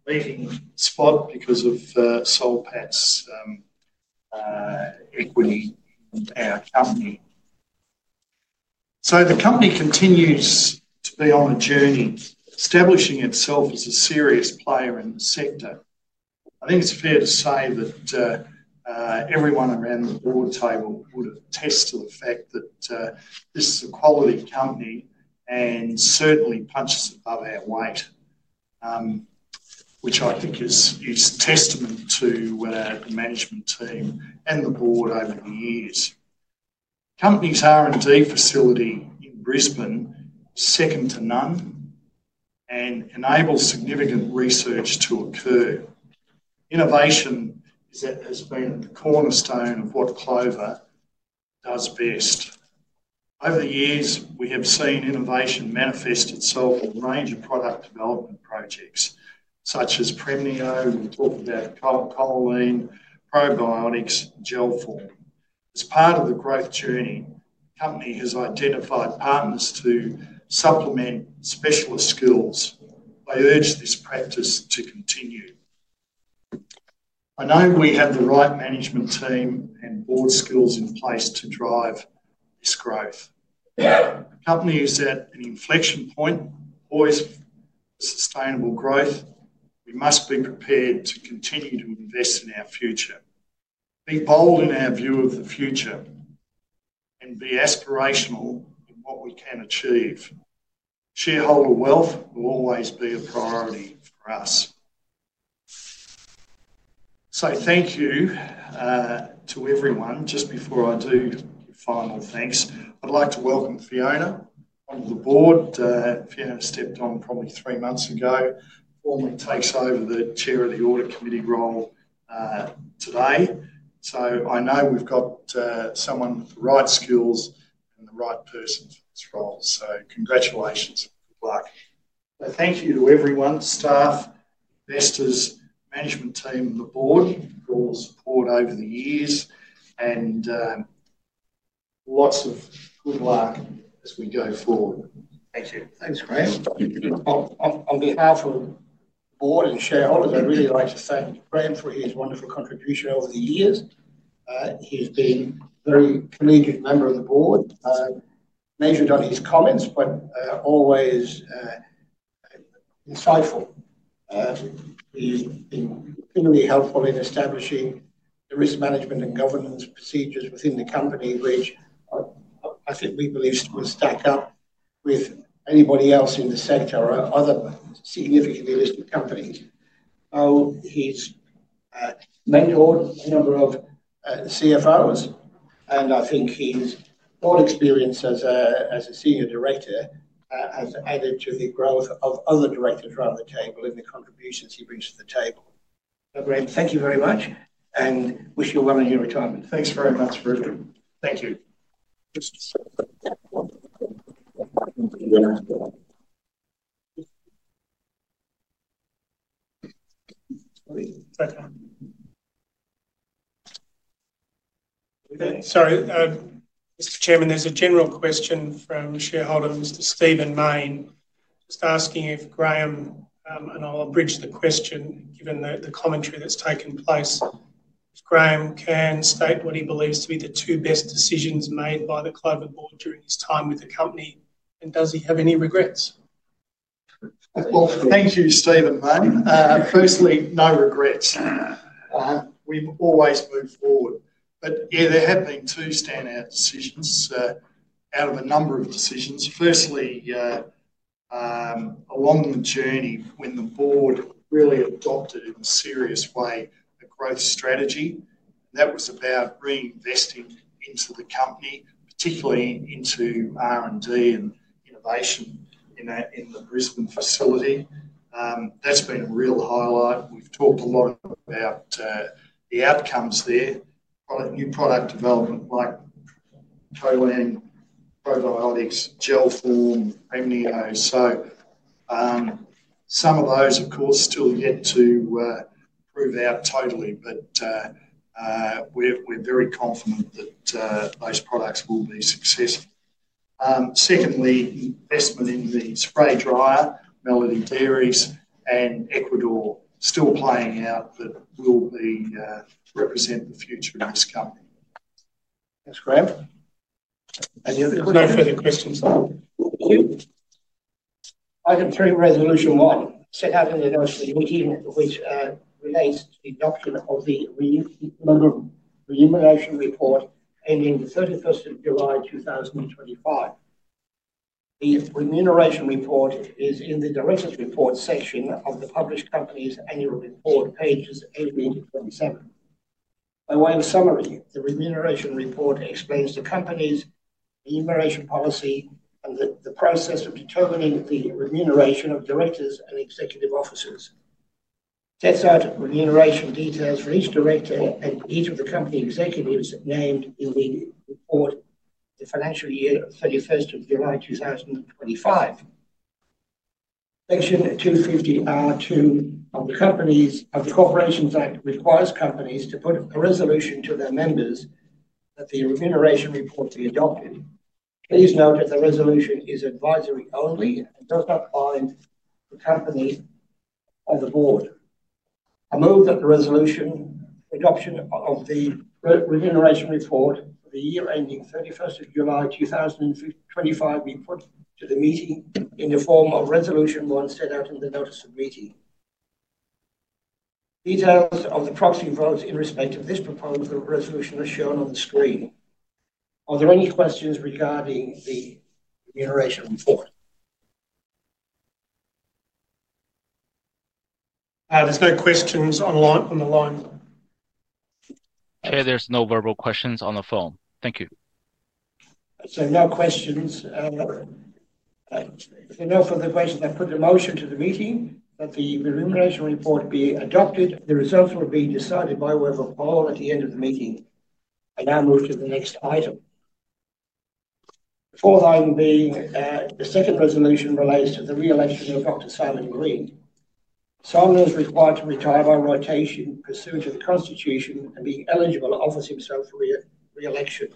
I: leading spot because of Solpat's equity in our company. The company continues to be on a journey, establishing itself as a serious player in the sector. I think it's fair to say that everyone around the board table would attest to the fact that this is a quality company and certainly punches above our weight, which I think is a testament to the Management Team and the board over the years. The company's R&D facility in Brisbane is 2nd to none and enables significant research to occur. Innovation has been the cornerstone of what Clover does best. Over the years, we have seen innovation manifest itself in a range of product development projects, such as Premneo, we'll talk about Choline, Probiotics, and gel form. As part of the growth journey, the company has identified partners to supplement specialist skills. I urge this practice to continue. I know we have the right Management Team and board skills in place to drive this growth. The company is at an inflection point, poised for sustainable growth. We must be prepared to continue to invest in our future. Be bold in our view of the future and be aspirational in what we can achieve. Shareholder wealth will always be a priority for us. Thank you to everyone. Just before I do your final thanks, I'd like to welcome Fiona onto the board. Fiona stepped on probably three months ago, formally takes over the Chair of the Audit Committee role today. I know we've got someone with the right skills and the right person for this role. Congratulations. Good luck. Thank you to everyone, Staff, Investors, Management Team, and the Board for all the support over the years. Lots of good luck as we go forward. Thank you.
A: Thanks, Graeme. On behalf of the board and shareholders, I'd really like to thank Graeme for his wonderful contribution over the years. He's been a very committed member of the board, majored on his comments, but always insightful. He's been extremely helpful in establishing the Risk Management and Governance Procedures within the company, which I think we believe will stack up with anybody else in the sector or other significantly listed companies. He's mentored a number of CFOs. I think his board experience as a Senior Director has added to the growth of other Directors around the table in the contributions he brings to the table. Graeme, thank you very much. I wish you well in your retirement.
I: Thanks very much, Rupert.
A: Thank you.
B: Sorry, Mr. Chairman, there's a general question from shareholder Mr. Stephen Main, just asking if Graeme, and I'll bridge the question given the commentary that's taken place, if Graeme can state what he believes to be the two best decisions made by the Clover board during his time with the company, and does he have any regrets?
I: Thank you, Stephen Main. Firstly, no regrets. We've always moved forward. There have been two standout decisions out of a number of decisions. Firstly, along the journey when the board really adopted in a serious way a growth strategy, and that was about reinvesting into the company, particularly into R&D and innovation in the Brisbane facility. That's been a real highlight. We've talked a lot about the outcomes there, new product development like Choline, Probiotics, Gel Form, Premneo. Some of those, of course, still yet to prove out totally, but we're very confident that those products will be successful. Secondly, investment in the Spray Dryer, Melody Dairies, and Ecuador, still playing out, but will represent the future of this company.
B: Thanks, Graeme.
I: Any other questions?
B: No further questions. Thank you.
A: Item three, resolution one, set out in the note of the meeting which relates to the adoption of the Remuneration report ending the 31st of July 2025. The Remuneration report is in the Director's report section of the published company's annual report, pages 18 to 27. By way of summary, the Remuneration report explains the company's Remuneration policy and the process of determining the Remuneration of Directors and Executive officers. Sets out Remuneration details for each Director and each of the company executives named in the report the financial year of 31st of July 2025. Section 250(r)(2) of the Corporations Act requires companies to put a resolution to their members that the Remuneration report be adopted. Please note that the resolution is advisory only and does not bind the company or the board. I move that the adoption of the Remuneration report for the year ending 31st of July 2025 be put to the meeting in the form of resolution one set out in the notice of meeting. Details of the proxy votes in respect of this proposal resolution are shown on the screen. Are there any questions regarding the Remuneration report? There are no questions on the line. There are no verbal questions on the phone. Thank you. No questions. If there are no further questions, I put a motion to the meeting that the Remuneration report be adopted. The results will be decided by way of a poll at the end of the meeting. I now move to the next item. The fourth item, being the second resolution, relates to the reelection of Dr. Simon Green. Simon is required to retire by rotation, pursuant to the Constitution, and be eligible to offer himself for reelection.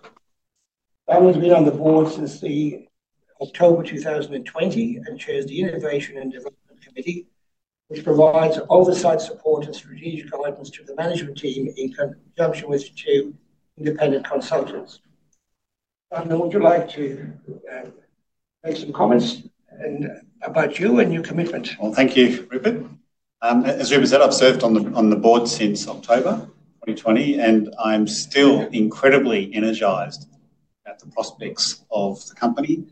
A: Simon has been on the board since October 2020 and chairs the Innovation and Development Committee, which provides oversight, support, and strategic guidance to the Management team in conjunction with two independent consultants. Simon, would you like to make some comments about you and your commitment?
E: Thank you, Rupert. As Rupert said, I've served on the board since October 2020, and I'm still incredibly energized about the prospects of the company.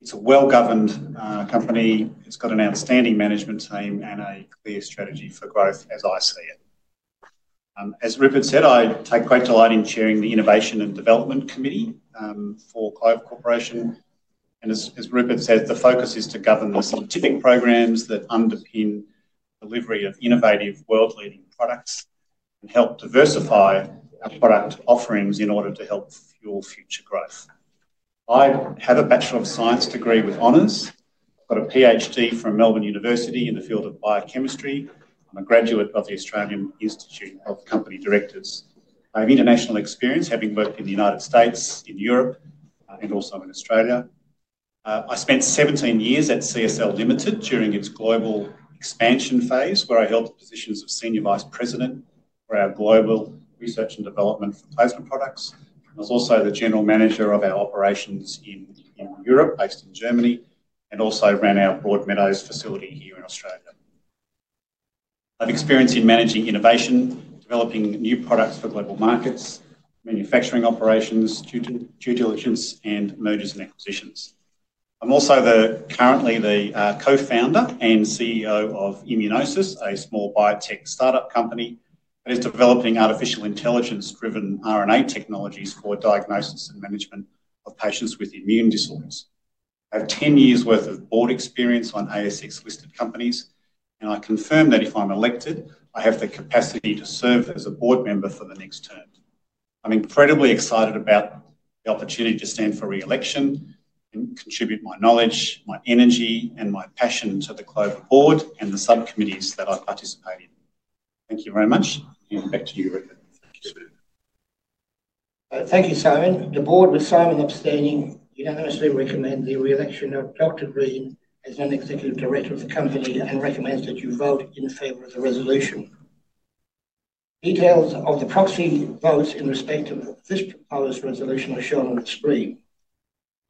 E: It's a well-governed company. It's got an outstanding Management team and a clear strategy for growth, as I see it. As Rupert said, I take great delight in chairing the Innovation and Development Committee for Clover Corporation. As Rupert said, the focus is to govern the specific programs that underpin the delivery of innovative, world-leading products and help diversify our product offerings in order to help fuel future growth. I have a Bachelor of Science degree with honors. I've got a PhD from Melbourne University in the field of Biochemistry. I'm a graduate of the Australian Institute of Company Directors. I have international experience, having worked in the United States, in Europe, and also in Australia. I spent 17 years at CSL Limited during its Global Expansion Phase, where I held the positions of Senior Vice President for our Global Research and Development for Plasma products. I was also the General Manager of our operations in Europe, based in Germany, and also ran our Broad Meadows facility here in Australia. I have experience in managing innovation, developing new products for global markets, manufacturing operations, due diligence, and Mergers and Acquisitions. I'm also currently the co-founder and CEO of ImmunoSYS, a Small Biotech Startup company that is developing Artificial Intelligence-driven RNA technologies for diagnosis and Management of patients with immune disorders. I have 10 years' worth of board experience on ASX-listed companies, and I confirm that if I'm elected, I have the capacity to serve as a board member for the next term. I'm incredibly excited about the opportunity to stand for reelection and contribute my knowledge, my energy, and my passion to the Clover board and the subcommittees that I've participated in. Thank you very much. Back to you, Rupert.
A: Thank you, Simon. The board, with Simon abstaining, can honestly recommend the reelection of Dr. Green as an executive Director of the company and recommends that you vote in favor of the resolution. Details of the proxy votes in respect of this proposed resolution are shown on the screen.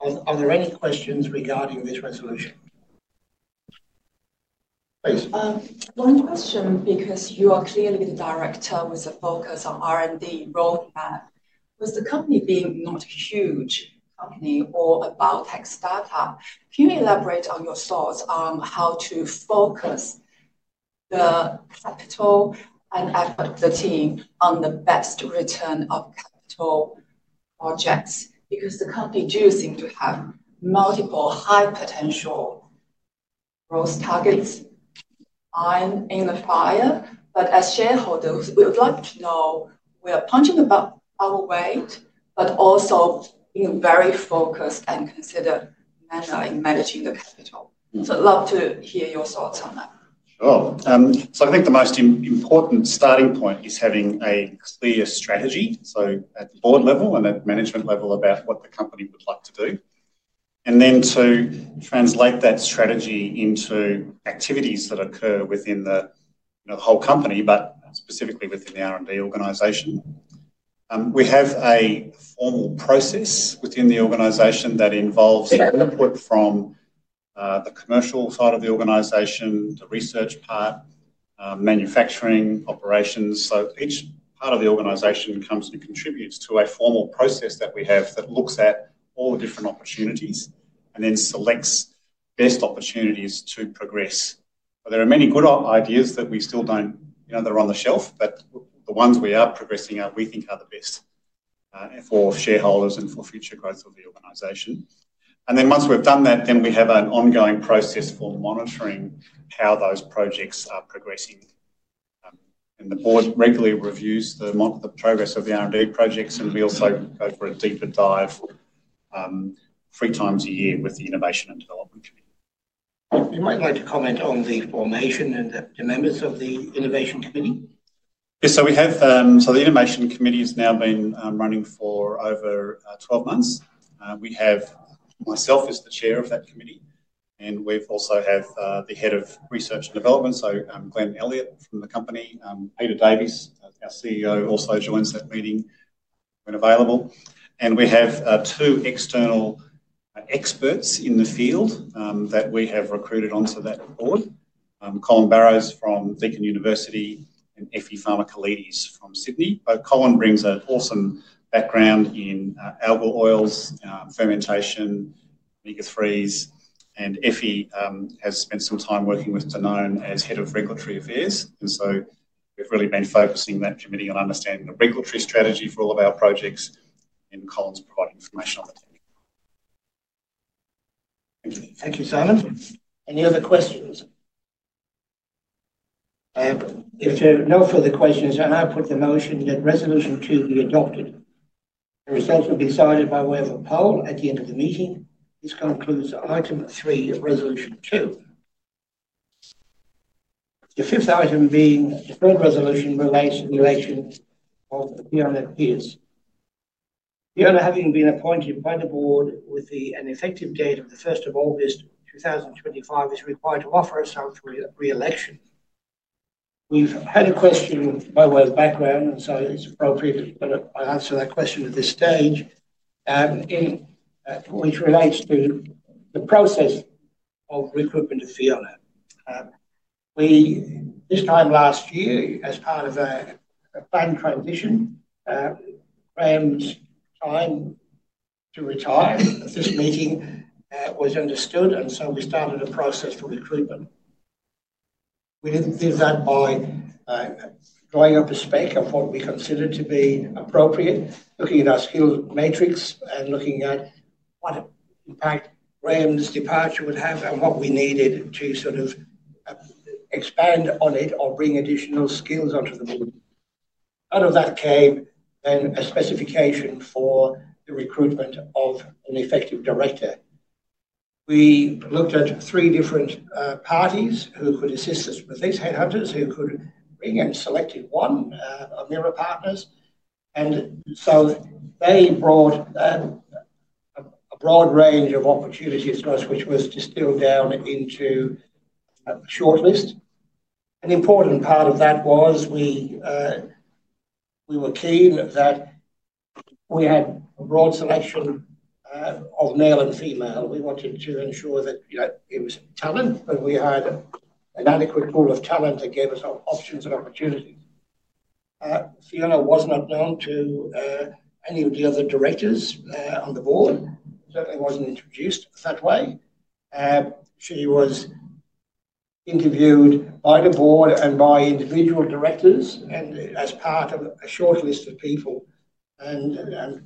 A: Are there any questions regarding this resolution?
J: Please. One question, because you are clearly the Director with a focus on R&D roleplay, was the company being not a huge company or about tech startup? Can you elaborate on your thoughts on how to focus the capital and effort of the team on the best return of capital projects? Because the company does seem to have multiple high-potential growth targets in the fire. As shareholders, we would like to know we are punching above our weight, but also being very focused and considered in managing the capital. I'd love to hear your thoughts on that.
E: Sure. I think the most important starting point is having a clear strategy, at the Board level and at Management level, about what the company would like to do. Then to translate that strategy into activities that occur within the whole company, but specifically within the R&D organization. We have a formal process within the organization that involves input from the commercial side of the organization, the research part, manufacturing, operations. Each part of the organization comes and contributes to a formal process that we have that looks at all the different opportunities and then selects best opportunities to progress. There are many good ideas that we still do not know that are on the shelf, but the ones we are progressing out, we think are the best for shareholders and for future growth of the organization. Once we have done that, we have an ongoing process for monitoring how those projects are progressing. The board regularly reviews the progress of the R&D projects, and we also go for a deeper dive three times a year with the Innovation and Development Committee.
A: You might like to comment on the formation and the members of the Innovation Committee?
E: Yes. The Innovation Committee has now been running for over 12 months. I am the chair of that committee, and we also have the Head of Research and Development, so Glenn Elliott from the company. Peter Davey, our CEO, also joins that meeting when available. We have two external experts in the field that we have recruited onto that board, Colin Barrows from Deakin University and Effie Farmer-Koledes from Sydney. Colin brings an awesome background in Algal Oils, Fermentation, Omega-3s, and Effie has spent some time working with Danone as Head of Regulatory Affairs. We have really been focusing that committee on understanding the regulatory strategy for all of our projects, and Colin's providing information on the tech. Thank you.
A: Thank you, Simon. Any other questions? If there are no further questions, I put the motion that resolution two be adopted. The results will be decided by way of a poll at the end of the meeting. This concludes item three of resolution two. The 5th item being the third resolution relates to the election of Fiona Pearce. Fiona, having been appointed by the board with an effective date of the 1st of August 2025, is required to offer us some reelection. We've had a question by way of background, and so it's appropriate that I answer that question at this stage, which relates to the process of recruitment of Fiona. This time last year, as part of a planned transition, Graeme's time to retire at this meeting was understood, and so we started a process for recruitment. We did that by drawing up a spec of what we considered to be appropriate, looking at our skills matrix and looking at what impact Graeme's departure would have and what we needed to sort of expand on it or bring additional skills onto the board. Out of that came then a specification for the recruitment of an effective Director. We looked at three different parties who could assist us with this, headhunters, who could bring and select one, Amirra Partners. They brought a broad range of opportunities to us, which was distilled down into a shortlist. An important part of that was we were keen that we had a broad selection of male and female. We wanted to ensure that it was talent, but we had an adequate pool of talent that gave us options and opportunities. Fiona was not known to any of the other Directors on the board. She certainly was not introduced that way. She was interviewed by the board and by individual Directors and as part of a shortlist of people. The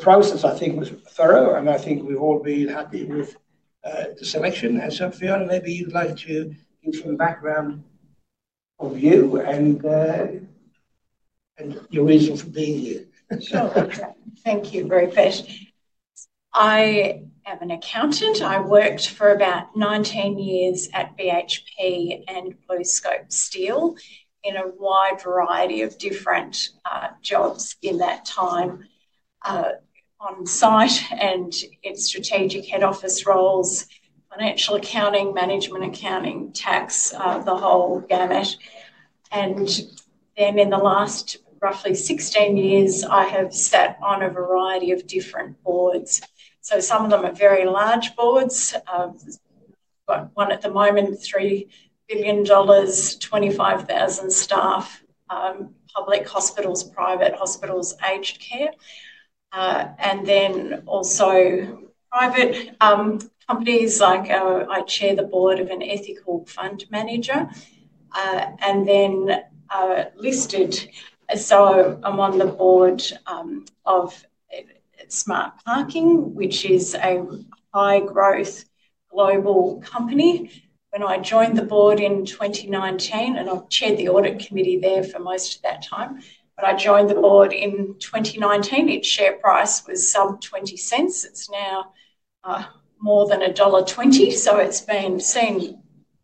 A: process, I think, was thorough, and I think we have all been happy with the selection. Fiona, maybe you would like to give some background of you and your reason for being here.
F: Sure. Thank you very much. I am an Accountant. I worked for about 19 years at BHP and BlueScope Steel in a wide variety of different jobs in that time on-site and in Strategic head Office roles, Financial accounting, Management accounting, Tax, the whole gamut. In the last roughly 16 years, I have sat on a variety of different boards. Some of them are very large boards. We have got one at the moment, 3 billion dollars, 25,000 staff, public hospitals, private hospitals, aged care, and then also private companies. I Chair the Board of an Ethical Fund Manager and then listed. I am on the Board of Smart Parking, which is a High-Growth Global Company. When I joined the board in 2019, and I have chaired the Audit Committee there for most of that time, but I joined the board in 2019. Its share price was sub-AUD 0.20. It is now more than dollar 1.20. It's been seeing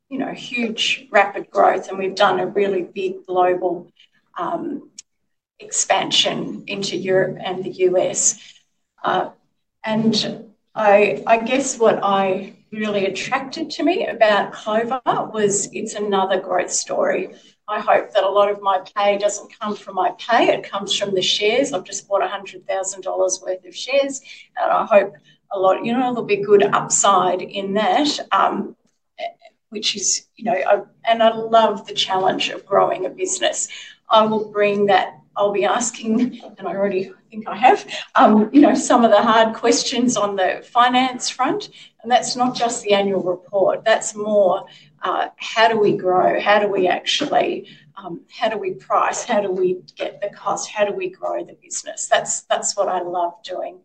F: huge rapid growth, and we've done a really big global expansion into Europe and the U.S. I guess what really attracted me about Clover was it's another growth story. I hope that a lot of my pay doesn't come from my pay. It comes from the shares. I've just bought 100,000 dollars worth of shares, and I hope there'll be good upside in that, which is, and I love the challenge of growing a business. I will bring that. I'll be asking, and I already think I have, some of the hard questions on the Finance Front. That's not just the annual report. That's more, how do we grow? How do we actually, how do we price? How do we get the cost? How do we grow the business? That's what I love doing.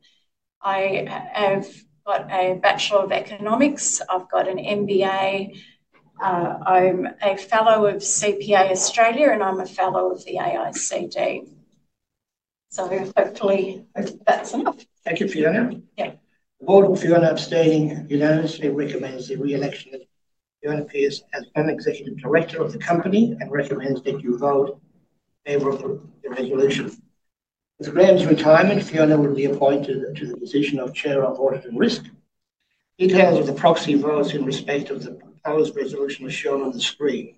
F: I have got a Bachelor of Economics. I've got an MBA. I'm a Fellow of CPA Australia, and I'm a Fellow of the AICD. So hopefully, that's enough.
A: Thank you, Fiona. The board, with Fiona abstaining, recommends the reelection of Fiona Pearce as an Executive Director of the company and recommends that you vote in favor of the resolution. With Graeme's retirement, Fiona will be appointed to the position of Chair of Audit and Risk. Details of the proxy votes in respect of the proposed resolution are shown on the screen.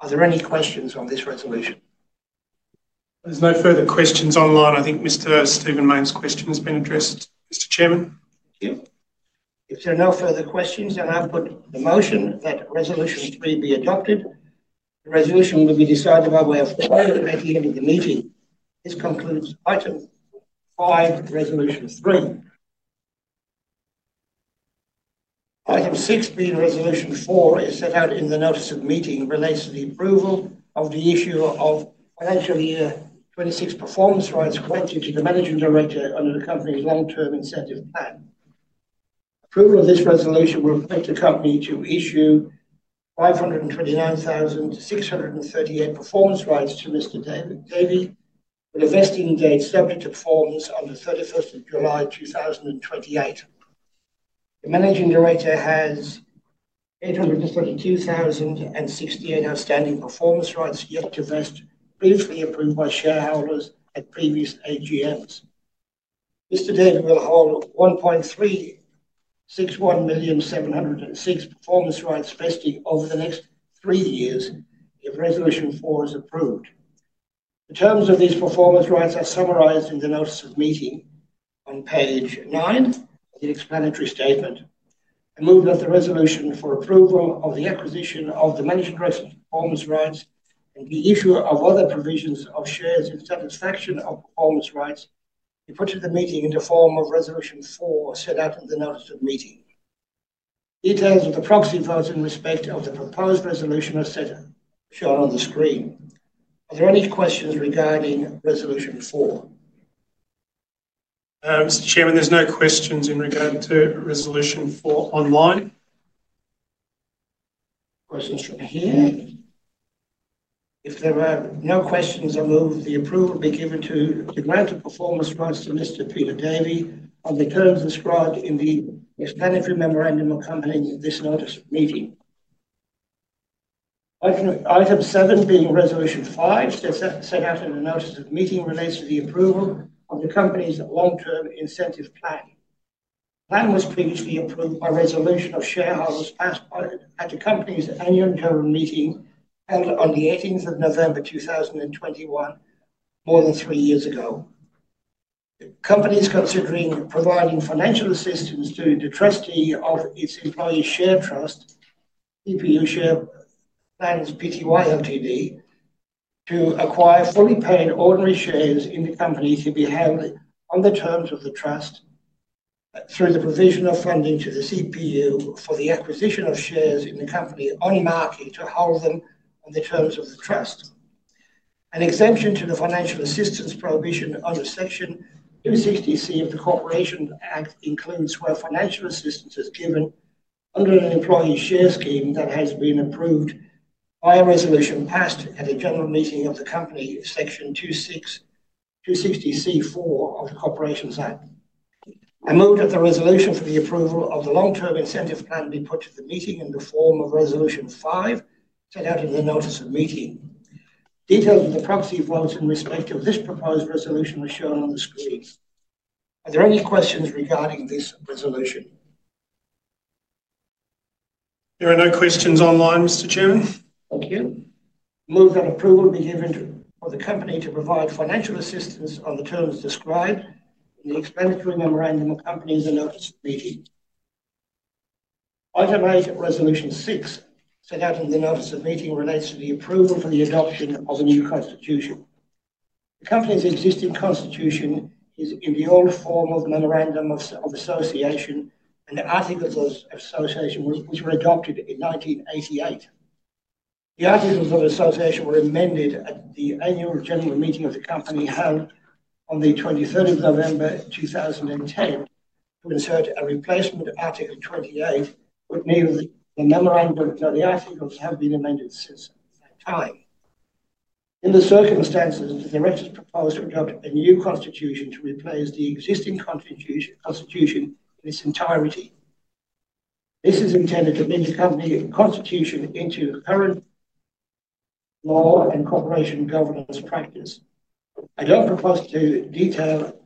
A: Are there any questions on this resolution?
B: There's no further questions online. I think Mr. Stephen Main's question has been addressed. Mr. Chairman?
A: Thank you. If there are no further questions, then I put the motion that resolution three be adopted. The resolution will be decided by way of the board at the end of the meeting. This concludes item five, resolution three. Item six, being resolution four, is set out in the notice of meeting relates to the approval of the issue of financial year 2026 performance rights granted to the Managing Director under the company's long-term incentive plan. Approval of this resolution will affect the company to issue 529,638 performance rights to Mr. Davey, with a Vesting date subject to performance on the 31st of July 2028. The Managing Director has 832,068 outstanding performance rights yet to vest, previously approved by shareholders at previous AGMs. Mr. Davey will hold 1,361,706 performance rights vesting over the next three years if resolution four is approved. The terms of these performance rights are summarized in the notice of meeting on page nine, the Explanatory Statement. I move that the resolution for approval of the acquisition of the Managing Director's performance rights and the issue of other provisions of shares in satisfaction of performance rights be put to the meeting in the form of resolution four set out in the notice of meeting. Details of the proxy votes in respect of the proposed resolution are shown on the screen. Are there any questions regarding resolution four?
B: Mr. Chairman, there's no questions in regard to resolution four online.
A: Questions from here? If there are no questions, I move the approval be given to the grant of performance rights to Mr. Peter Davey on the terms described in the Explanatory Memorandum accompanying this notice of meeting. Item seven, being resolution five, set out in the notice of meeting relates to the approval of the company's Long-term Incentive Plan. The plan was previously approved by resolution of shareholders passed at the company's annual meeting held on the 18th of November 2021, more than three years ago. The company is considering providing financial assistance to the trustee of its employee share trust, CPU Share Plan, Pty Ltd, to acquire fully paid ordinary shares in the company to be held on the terms of the trust through the provision of funding to the CPU for the acquisition of shares in the company on market to hold them on the terms of the trust. An exemption to the financial assistance prohibition under section 260(c) of the Corporations Act includes where financial assistance is given under an employee share scheme that has been approved by a resolution passed at a general meeting of the company, section 260(c)(4) of the Corporations Act. I move that the resolution for the approval of the long-term incentive plan be put to the meeting in the form of resolution five set out in the notice of meeting. Details of the proxy votes in respect of this proposed resolution are shown on the screen. Are there any questions regarding this resolution? There are no questions online, Mr. Chairman. Thank you. I move that approval be given for the company to provide financial assistance on the terms described in the Explanatory Memorandum accompanying the notice of meeting. Item eight, resolution six set out in the notice of meeting relates to the approval for the adoption of a new constitution. The company's existing constitution is in the old form of memorandum of association and articles of association, which were adopted in 1988. The articles of association were amended at the Annual General Meeting of the company held on the 23rd of November 2010 to insert a replacement article 28, but neither the memorandum nor the articles have been amended since that time. In the circumstances, the Directors proposed to adopt a new constitution to replace the existing constitution in its entirety. This is intended to bring the company's constitution into current Law and Corporation Governance practice. I don't propose to detail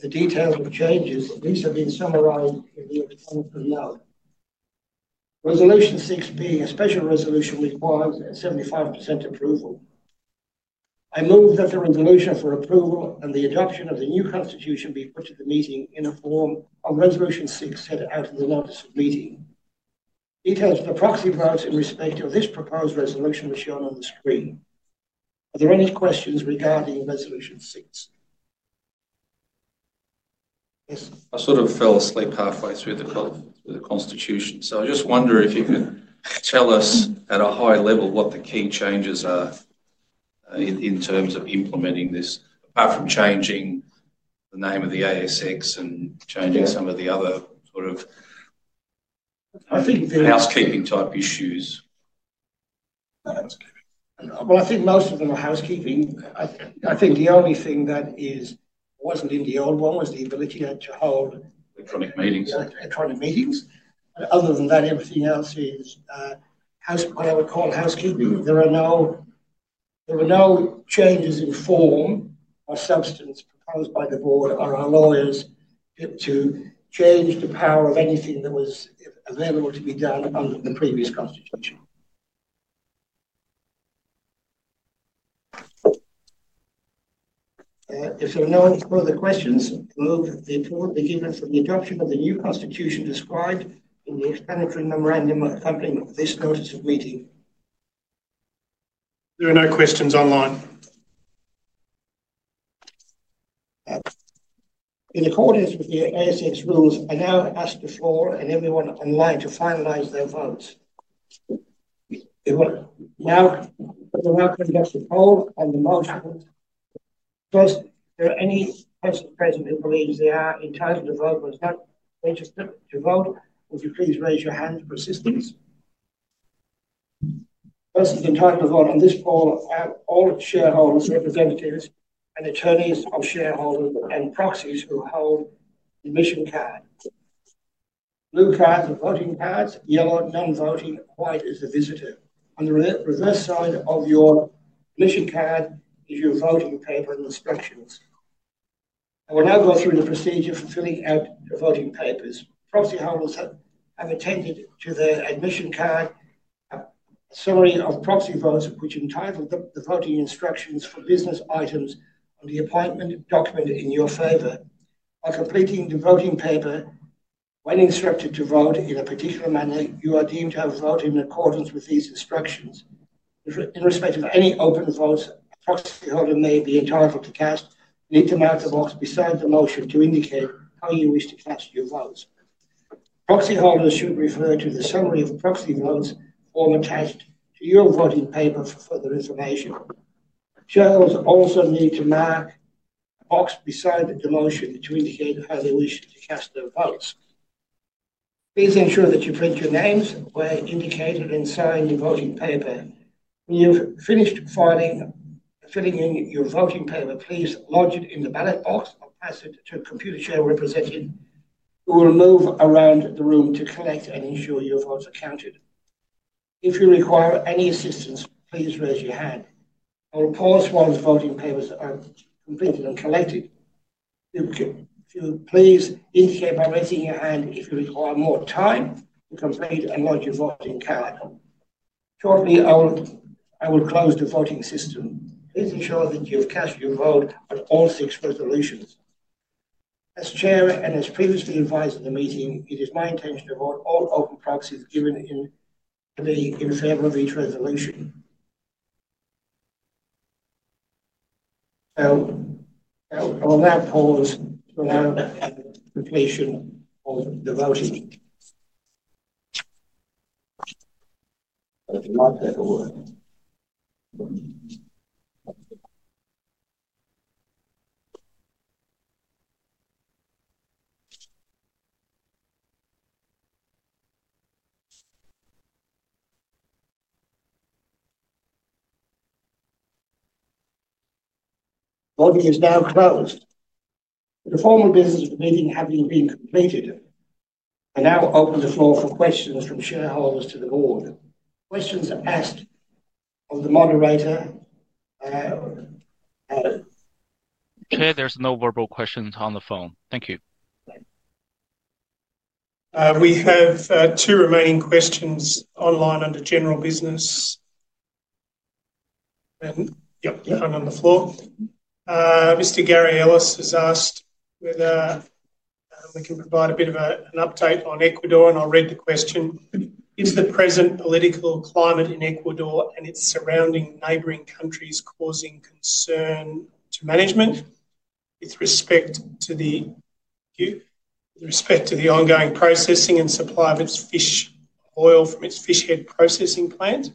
A: the details of changes. These have been summarized in the agreement below. Resolution six, being a special resolution, requires 75% approval. I move that the resolution for approval and the adoption of the new constitution be put to the meeting in the form of resolution six set out in the notice of meeting. Details of the proxy votes in respect of this proposed resolution are shown on the screen. Are there any questions regarding resolution six?
K: Yes. I sort of fell asleep halfway through the constitution. So I just wonder if you could tell us at a high level what the key changes are in terms of implementing this, apart from changing the name of the ASX and changing some of the other sort of housekeeping type issues.
A: I think most of them are housekeeping. I think the only thing that was not in the old one was the ability to hold electronic meetings. Other than that, everything else is what I would call housekeeping. There were no changes in form or substance proposed by the board or our lawyers to change the power of anything that was available to be done under the previous constitution. If there are no further questions, I move that the approval be given for the adoption of the new constitution described in the explanatory memorandum accompanying this notice of meeting. There are no questions online. In accordance with the ASX rules, I now ask the floor and everyone online to finalize their votes. Now, the welcome gets to Paul and the motion. First, is there any person present who believes they are entitled to vote but has not registered to vote? Would you please raise your hand for assistance? First, entitled to vote on this floor are all shareholders, representatives, and attorneys of shareholders and proxies who hold Admission Cards. Blue cards are voting cards. Yellow, non-voting. White is a visitor. On the reverse side of your admission card is your voting paper instructions. I will now go through the procedure for filling out the voting papers. Proxy holders have attended to their admission card, a summary of proxy votes, which entitle the voting instructions for business items on the appointment documented in your favor. By completing the voting paper, when instructed to vote in a particular manner, you are deemed to have voted in accordance with these instructions. In respect of any open votes, a proxy holder may be entitled to cast, need to mark the box beside the motion to indicate how you wish to cast your votes. Proxy holders should refer to the summary of proxy votes form attached to your voting paper for further information. Shareholders also need to mark a box beside the motion to indicate how they wish to cast their votes. Please ensure that you print your names where indicated inside your voting paper. When you've finished filling in your voting paper, please lodge it in the ballot box or pass it to a Computer Chair Representative. We will move around the room to collect and ensure your votes are counted. If you require any assistance, please raise your hand. I'll pause once voting papers are completed and collected. Please indicate by raising your hand if you require more time to complete and lodge your voting card. Shortly, I will close the voting system. Please ensure that you have cast your vote on all six resolutions. As Chair and as previously advised at the meeting, it is my intention to vote all open proxies given in favor of each resolution. I will now pause to allow completion of the voting. Voting is now closed. The formal business of the meeting having been completed, I now open the floor for questions from shareholders to the board. Questions asked of the moderator.
L: Okay. There are no verbal questions on the phone. Thank you.
B: We have two remaining questions online under general business. And yep, you are on the floor. Mr. Gary Ellis has asked whether we can provide a bit of an update on Ecuador, and I will read the question. Is the present Political Climate in Ecuador and its surrounding neighboring countries causing concern to Management with respect to the ongoing processing and supply of Fish Oil from its Fishhead Processing Plant?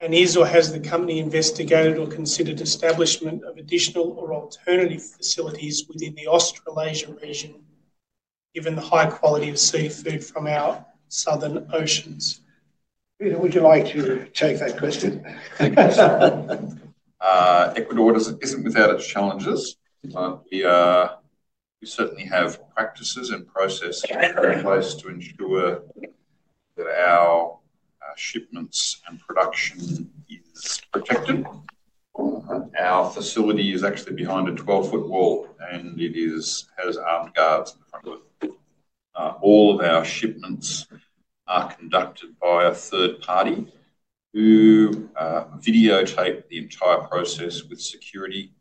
B: Is or has the company investigated or considered establishment of additional or alternative facilities within the Australasia region, given the high quality of seafood from our Southern Oceans?
A: Peter, would you like to take that question?
C: Ecuador is not without its challenges. We certainly have practices and processes in place to ensure that our shipments and production is protected. Our facility is actually behind a 12-foot wall, and it has armed guards in front of it. All of our shipments are conducted by a 3rd party who videotape the entire process with security.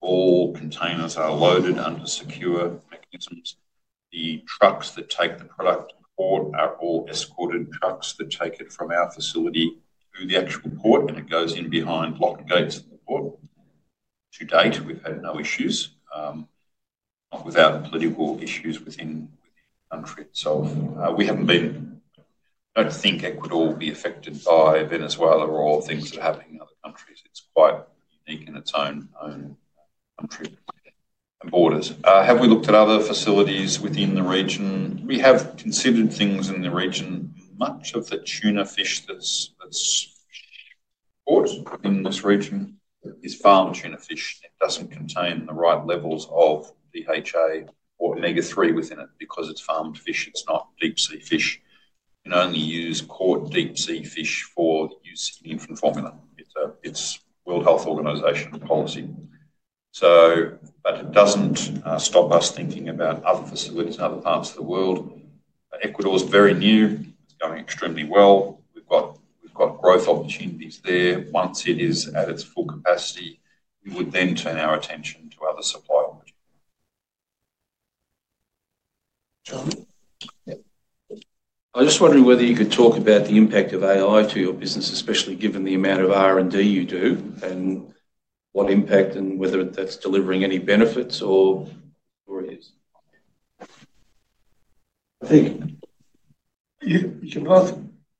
C: All containers are loaded under secure mechanisms. The trucks that take the product to port are all Escorted Trucks that take it from our facility to the actual port, and it goes in behind locked gates at the port. To date, we've had no issues without political issues within the country itself. We haven't been—I don't think Ecuador will be affected by Venezuela or things that are happening in other countries. It's quite unique in its own country and borders. Have we looked at other facilities within the region? We have considered things in the region. Much of the Tuna fish that's caught in this region is Farmed Tuna Fish. It doesn't contain the right levels of DHA or Omega-3 within it because it's Farmed Fish. It's not Deep-sea Fish. You can only use caught Deep-sea Fish for use in the Infant Formula. It's World Health Organization policy. It doesn't stop us thinking about other facilities in other parts of the world. Ecuador is very new. It's going extremely well. We've got growth opportunities there. Once it is at its full capacity, we would then turn our attention to other supply opportunities. John? I was just wondering whether you could talk about the impact of AI to your business, especially given the amount of R&D you do and what impact and whether that's delivering any benefits or is—
A: I think you can both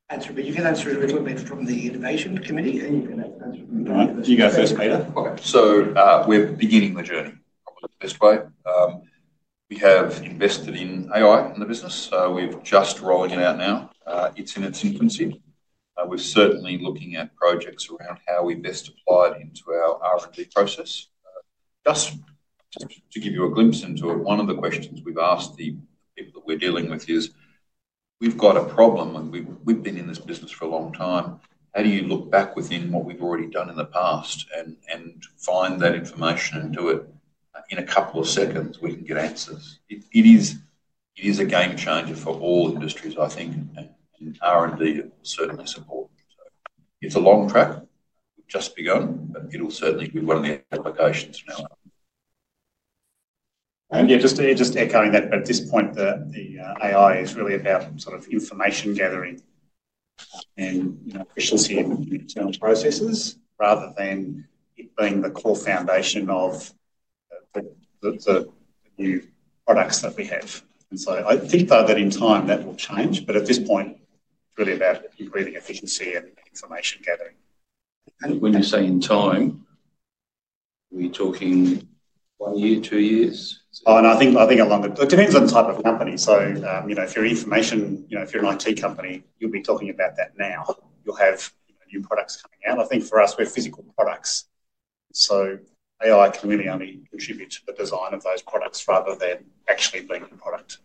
A: answer, but you can answer it a little bit from the Innovation Committee, and you can answer it from the—you go first, Peter.
C: Okay. So we're beginning the journey, probably the best way. We have invested in AI in the business. We're just rolling it out now. It's in its infancy. We're certainly looking at projects around how we best apply it into our R&D process. Just to give you a glimpse into it, one of the questions we've asked the people that we're dealing with is, "We've got a problem. We've been in this business for a long time. How do you look back within what we've already done in the past and find that information and do it? In a couple of seconds, we can get answers. It is a game changer for all industries, I think, and R&D will certainly support. It's a long track. We've just begun, but it'll certainly be one of the applications now. Yeah, just echoing that, at this point, the AI is really about sort of information gathering and efficiency in its own processes rather than it being the core foundation of the new products that we have. I think that in time, that will change. At this point, it's really about increasing efficiency and information gathering. When you say in time, are we talking one year, two years? Oh, I think a longer—it depends on the type of company. If you're an IT company, you'll be talking about that now. You'll have new products coming out. I think for us, we're physical products. AI can really only contribute to the design of those products rather than actually being the product.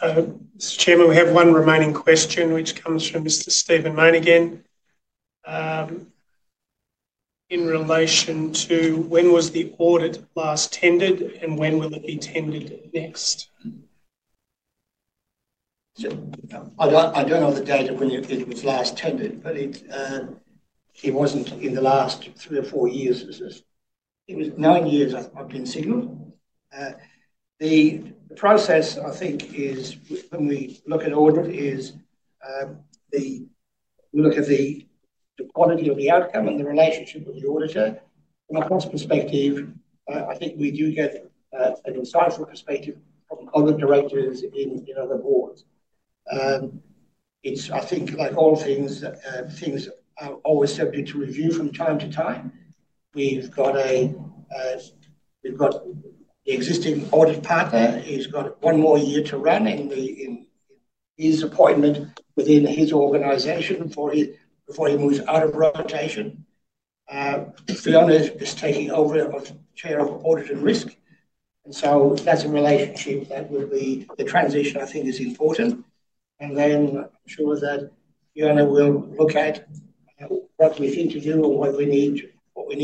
B: Mr. Chairman, we have one remaining question, which comes from Mr. Stephen Moenegan in relation to when was the audit last tendered and when will it be tendered next?
A: I don't know the date of when it was last tendered, but it wasn't in the last three or four years. It was nine years I've been signaled. The process, I think, is when we look at audit, we look at the quality of the outcome and the relationship with the auditor. From a cost perspective, I think we do get an insightful perspective from other Directors in other boards. I think, like all things, things are always subject to review from time to time. We've got the existing Audit Partner; he's got one more year to run in his appointment within his organization before he moves out of rotation. Fiona is taking over as Chair of Audit and Risk. That is a relationship that will be—the transition, I think, is important. I am sure that Fiona will look at what we think to do or what we need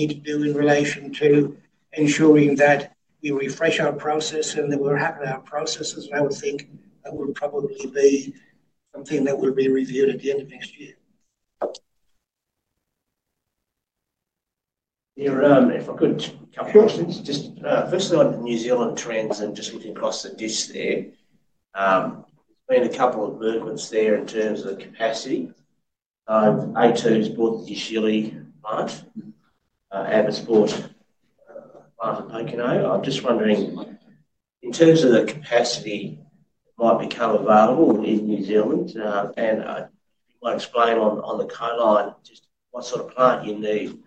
A: to do in relation to ensuring that we refresh our process and that we're happy with our processes. I would think that will probably be something that will be reviewed at the end of next year.
M: If I could, a couple of questions. Just firstly, on the New Zealand trends and just looking across the district, there's been a couple of movements there in terms of capacity. A2's bought the Chili plant and has bought a plant in Pocono. I'm just wondering, in terms of the capacity that might become available in New Zealand, and if you might explain on the Choline line, just what sort of plant you need,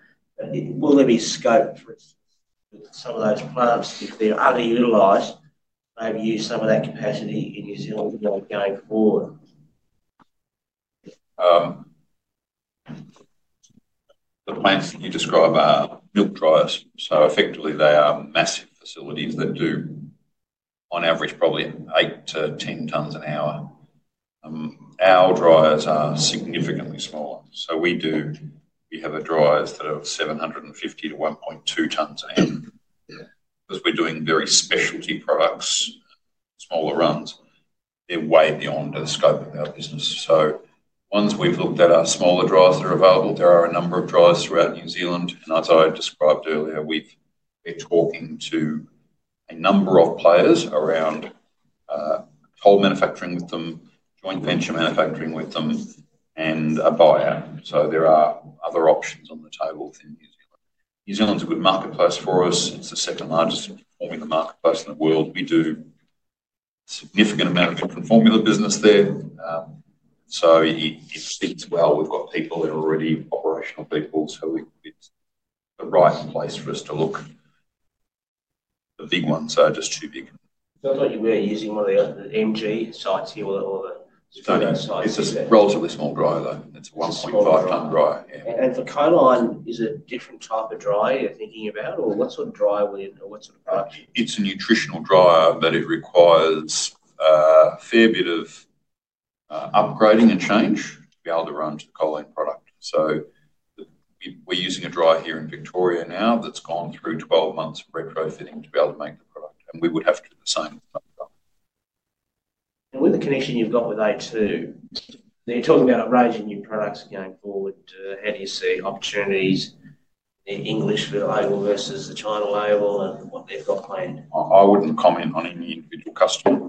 M: will there be scope for some of those plants if they're underutilized? Maybe use some of that capacity in New Zealand going forward.
C: The plants that you describe are Milk Dryers. Effectively, they are massive facilities that do, on average, probably 8-10 tons an hour. Our dryers are significantly smaller. We have dryers that are 750 to 1.2 tons an hour. Because we're doing very specialty products, smaller runs, they're way beyond the scope of our business. Once we've looked at our Smaller Dryers that are available, there are a number of dryers throughout New Zealand. As I described earlier, we're talking to a number of players around Co-manufacturing with them, joint venture manufacturing with them, and a buyout. There are other options on the table within New Zealand. New Zealand is a good marketplace for us. It's the second largest formula marketplace in the world. We do a significant amount of different formula business there. It speaks well. We've got people that are already operational people. It's the right place for us to look. The big ones are just too big.
M: It sounds like you were using one of the MG sites here or the Spooner site. It's a relatively Small Dryer, though. It's a 1.5-ton dryer. For Choline, is it a different type of dryer you're thinking about, or what sort of dryer will you—or what sort of product?
C: It's a Nutritional Dryer that requires a fair bit of upgrading and change to be able to run to the Choline product. We are using a dryer here in Victoria now that's gone through 12 months of retrofitting to be able to make the product. We would have to do the same with another product.
M: With the connection you've got with a2 Milk Company, you're talking about a range of new products going forward. How do you see opportunities in the English label versus the China label and what they've got planned?
C: I wouldn't comment on any individual customer.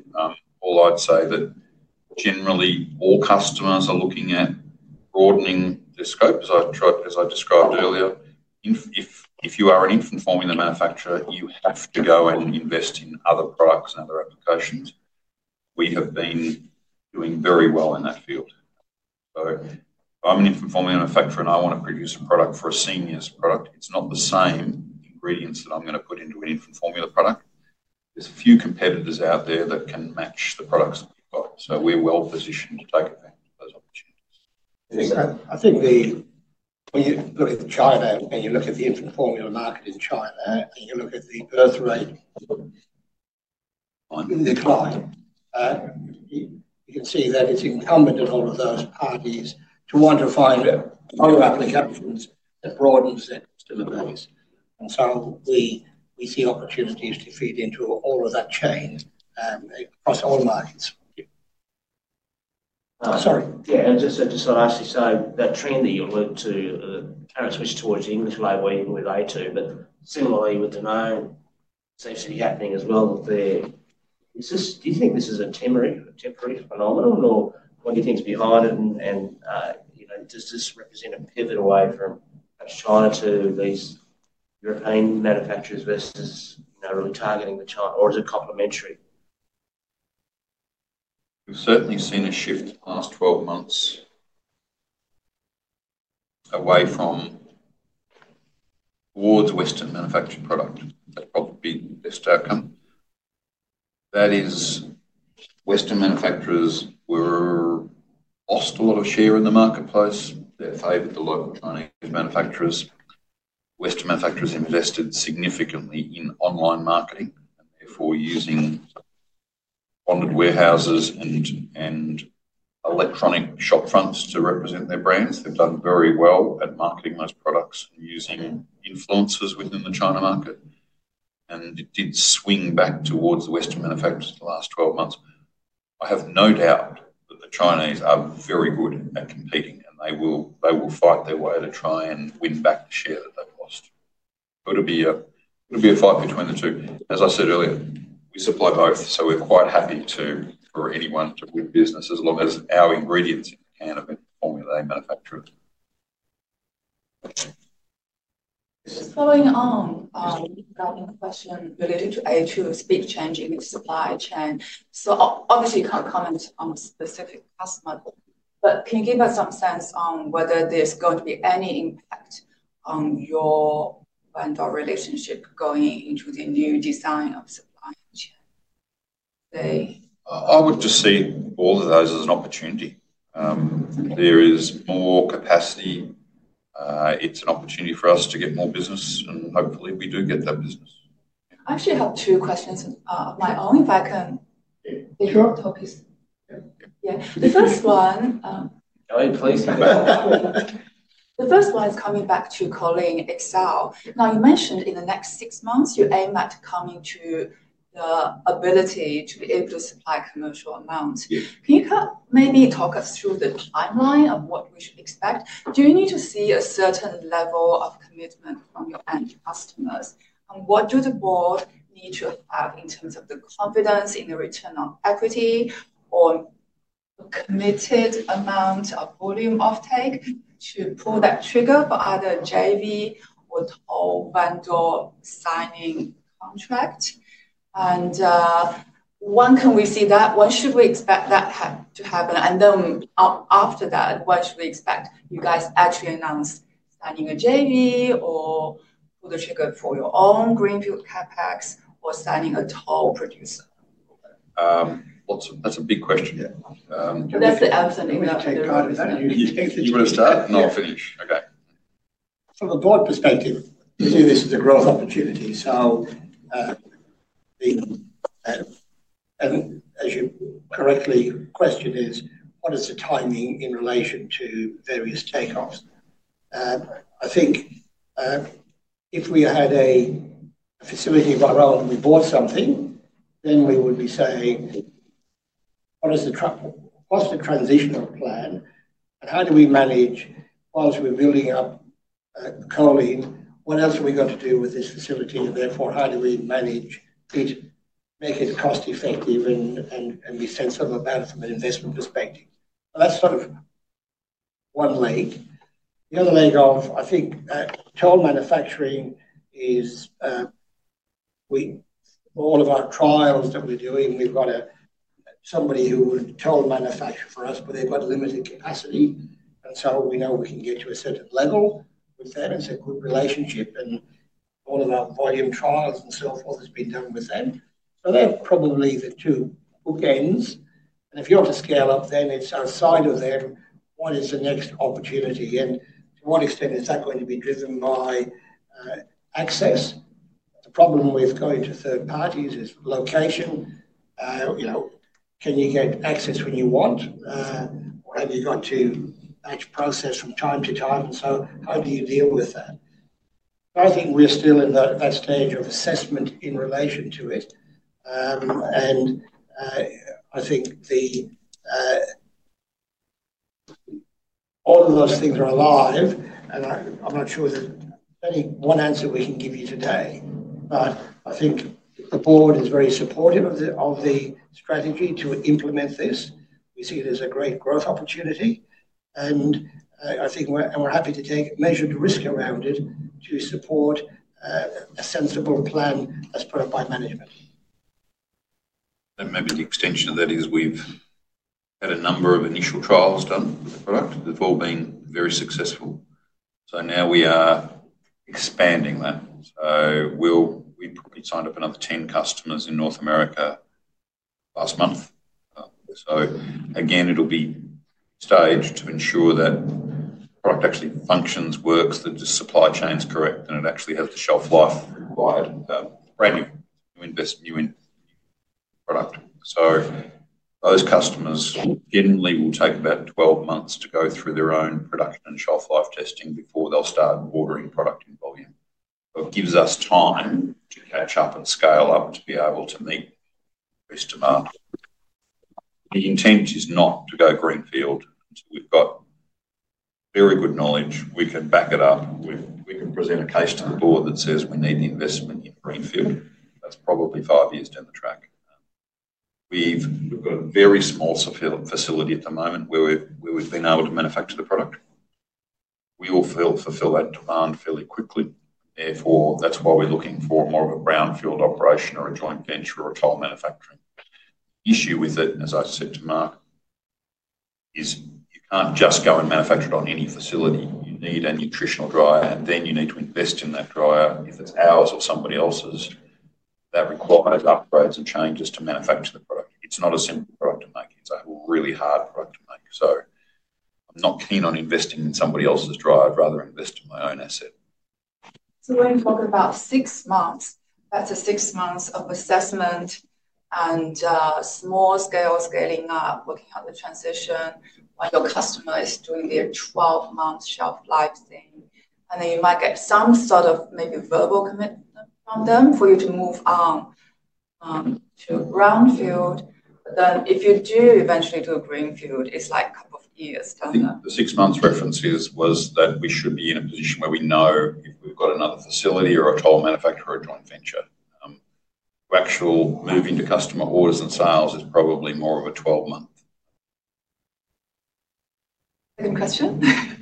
C: All I'd say is that generally, all customers are looking at broadening their scope, as I described earlier. If you are an Infant Formula manufacturer, you have to go and invest in other products and other applications. We have been doing very well in that field. If I'm an Infant Formula manufacturer and I want to produce a product for a Senior's product, it's not the same ingredients that I'm going to put into an Infant Formula product. There are a few competitors out there that can match the products that we've got. We are well positioned to take advantage of those opportunities.
A: I think when you look at China and you look at the Infant Formula market in China and you look at the Birth Rate Decline, you can see that it's incumbent on all of those parties to want to find other applications that broaden that sustainability. We see opportunities to feed into all of that change across all markets.
M: Sorry. Yeah. Just to lastly, so that trend that you alluded to, the current switch towards English label even with a2 Milk Company, but similarly with the known safety happening as well there, do you think this is a temporary phenomenon, or what do you think's behind it? Does this represent a pivot away from China to these European manufacturers versus really targeting China? Or is it complementary?
C: We've certainly seen a shift the past 12 months away from towards Western manufactured product. That's probably been the best outcome. That is, Western manufacturers lost a lot of share in the marketplace. They favored the local Chinese manufacturers. Western manufacturers invested significantly in online marketing and therefore using Bonded Warehouses and Electronic Shop fronts to represent their brands. They've done very well at marketing those products and using influencers within the China market. It did swing back towards the Western manufacturers in the last 12 months. I have no doubt that the Chinese are very good at competing, and they will fight their way to try and win back the share that they've lost. It'll be a fight between the two. As I said earlier, we supply both, so we're quite happy for anyone to win business as long as our ingredients are in the can of Infant Formula manufacturers.
N: Just following on, we've got a question related to a2 Milk Company's big change in its supply chain. Obviously, you can't comment on a specific customer, but can you give us some sense on whether there's going to be any impact on your vendor relationship going into the new design of supply chain?
C: I would just see all of those as an opportunity. There is more capacity. It's an opportunity for us to get more business, and hopefully, we do get that business.
N: I actually have two questions of my own, if I can interrupt or piece. Yeah. The first one—Kelly, please. The first one is coming back to Choline XL. Now, you mentioned in the next six months, you aim at coming to the ability to be able to supply commercial amounts. Can you maybe talk us through the timeline of what we should expect? Do you need to see a certain level of commitment from your end customers? And what do the board need to have in terms of the confidence in the return on equity or a committed amount of volume offtake to pull that trigger for either a JV or toll vendor signing contract? And when can we see that? When should we expect that to happen? After that, when should we expect you guys to actually announce signing a JV or pull the trigger for your own Greenfield CapEx or signing a toll producer?
C: That is a big question.
N: That is the answer in that question.
A: You want to start?
C: No, finish.
A: From the board perspective, we see this as a growth opportunity. As you correctly questioned, what is the timing in relation to various takeoffs? I think if we had a facility of our own, we bought something, then we would be saying, "What is the transitional plan? And how do we manage whilst we are building up Choline? What else are we going to do with this facility? And therefore, how do we manage it, make it cost-effective, and be sensible about it from an investment perspective?" That is sort of one leg. The other leg of, I think, toll manufacturing is all of our trials that we're doing, we've got somebody who would toll manufacture for us, but they've got limited capacity. We know we can get to a certain level with them and it's a good relationship. All of our volume trials and so forth have been done with them. They're probably the two bookends. If you're to scale up, then it's outside of them, what is the next opportunity? To what extent is that going to be driven by access? The problem with going to 3rd parties is location. Can you get access when you want, or have you got to batch process from time to time? How do you deal with that? I think we're still in that stage of assessment in relation to it. I think all of those things are alive. I'm not sure there's any one answer we can give you today. I think the board is very supportive of the strategy to implement this. We see it as a great growth opportunity. I think we're happy to take measured risk around it to support a sensible plan as put up by Management.
C: Maybe the extension of that is we've had a number of initial trials done with the product. They've all been very successful. Now we are expanding that. We probably signed up another 10 customers in North America last month. Again, it'll be staged to ensure that the product actually functions, works, that the supply chain's correct, and it actually has the shelf life required for brand new investment in product. Those customers definitely will take about 12 months to go through their own production and Shelf Life Testing before they'll start ordering product in volume. It gives us time to catch up and scale up to be able to meet increased demand. The intent is not to go Greenfield. We have very good knowledge. We can back it up. We can present a case to the board that says we need the investment in Greenfield. That is probably five years down the track. We have a very small facility at the moment where we have been able to manufacture the product. We will fulfill that demand fairly quickly. Therefore, that is why we are looking for more of a Brownfield operation or a joint venture or a toll manufacturing. The issue with it, as I said to Mark, is you cannot just go and manufacture it on any facility. You need a Nutritional Dryer, and then you need to invest in that dryer. If it's ours or somebody else's, that requires upgrades and changes to manufacture the product. It's not a simple product to make. It's a really hard product to make. I'm not keen on investing in somebody else's dryer. I'd rather invest in my own asset.
N: When you talk about six months, that's six months of assessment and small scale scaling up, looking at the transition when your customer is doing their 12-month Shelf Life thing. You might get some sort of maybe verbal commitment from them for you to move on to brownfield. If you do eventually do a Greenfield, it's like a couple of years.
C: The six-month reference here was that we should be in a position where we know if we've got another facility or a toll manufacturer or a joint venture. Actual moving to customer orders and sales is probably more of a 12-month.
N: Second question.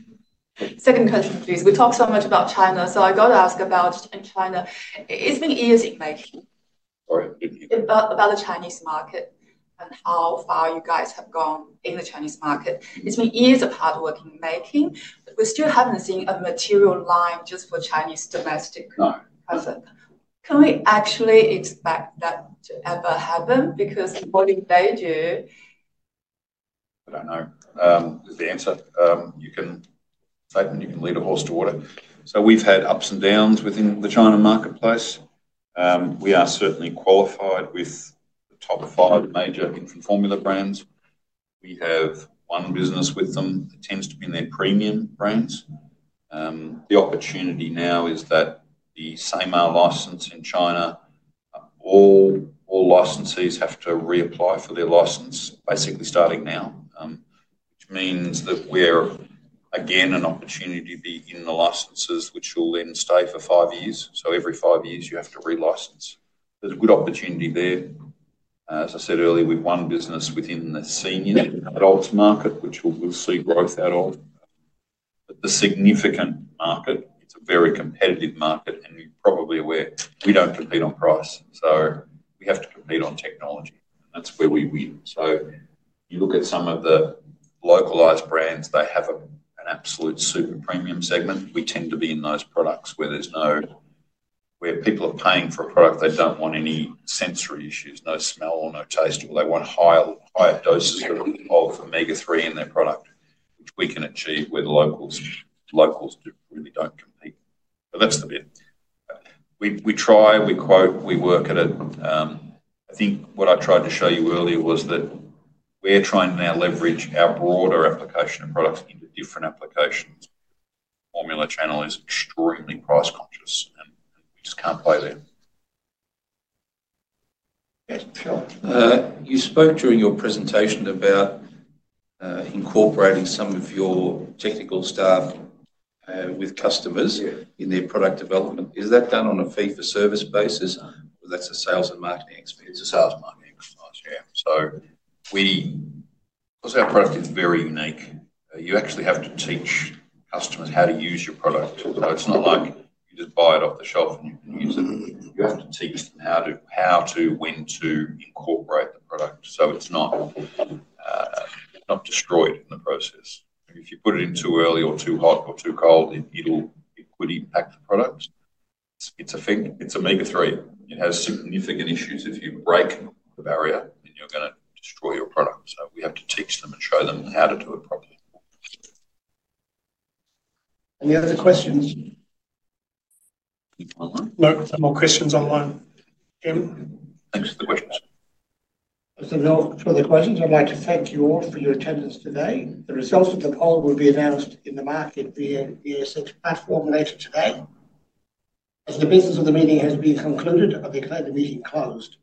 N: Second question, please. We talked so much about China. I got to ask about in China, it's been easy making.
C: Sorry.
N: About the Chinese market and how far you guys have gone in the Chinese market. It's been years of hardworking making, but we still haven't seen a material line just for Chinese domestic product. Can we actually expect that to ever happen? Because according to they do.
C: I don't know. The answer, you can lead a horse to water. We have had ups and downs within the China marketplace. We are certainly qualified with the top five major Infant Formula brands. We have one business with them. It tends to be in their premium brands. The opportunity now is that the same license in China, all licensees have to reapply for their license, basically starting now, which means that we're again an opportunity to be in the licenses, which will then stay for five years. Every five years, you have to relicense. There's a good opportunity there. As I said earlier, we've one business within the Senior Adults Market, which we'll see growth out of. The significant market, it's a very competitive market, and you're probably aware. We don't compete on price. We have to compete on technology. That's where we win. You look at some of the localized brands, they have an absolute super premium segment. We tend to be in those products where there's no, where people are paying for a product, they don't want any sensory issues, no smell or no taste, or they want higher doses of Omega-3 in their product, which we can achieve with locals. Locals really don't compete. That's the bit. We try, we quote, we work at it. I think what I tried to show you earlier was that we're trying to now leverage our broader application of products into different applications. Formula channel is extremely price-conscious, and we just can't play there. Yeah. Sure. You spoke during your presentation about incorporating some of your technical staff with customers in their product development. Is that done on a fee-for-service basis, or that's a sales and marketing expense? It's a sales and marketing expense. Yeah. Of course, our product is very unique. You actually have to teach customers how to use your product. It is not like you just buy it off the shelf and you can use it. You have to teach them how to, when to incorporate the product, so it is not destroyed in the process. If you put it in too early or too hot or too cold, it could impact the product. It is a thing. It is Omega-3. It has significant issues. If you break the barrier, then you are going to destroy your product. We have to teach them and show them how to do it properly.
A: Any other questions? No more questions online. Kim? Thanks for the questions. That is enough for the questions. I would like to thank you all for your attendance today. The results of the poll will be announced in the market via the ASX platform later today. As the business of the meeting has been concluded, I declare the meeting closed.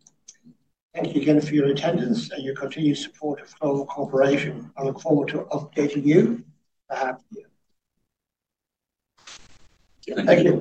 A: Thank you again for your attendance and your continued support of Clover Corporation. I look forward to updating you. I hope you. Thank you.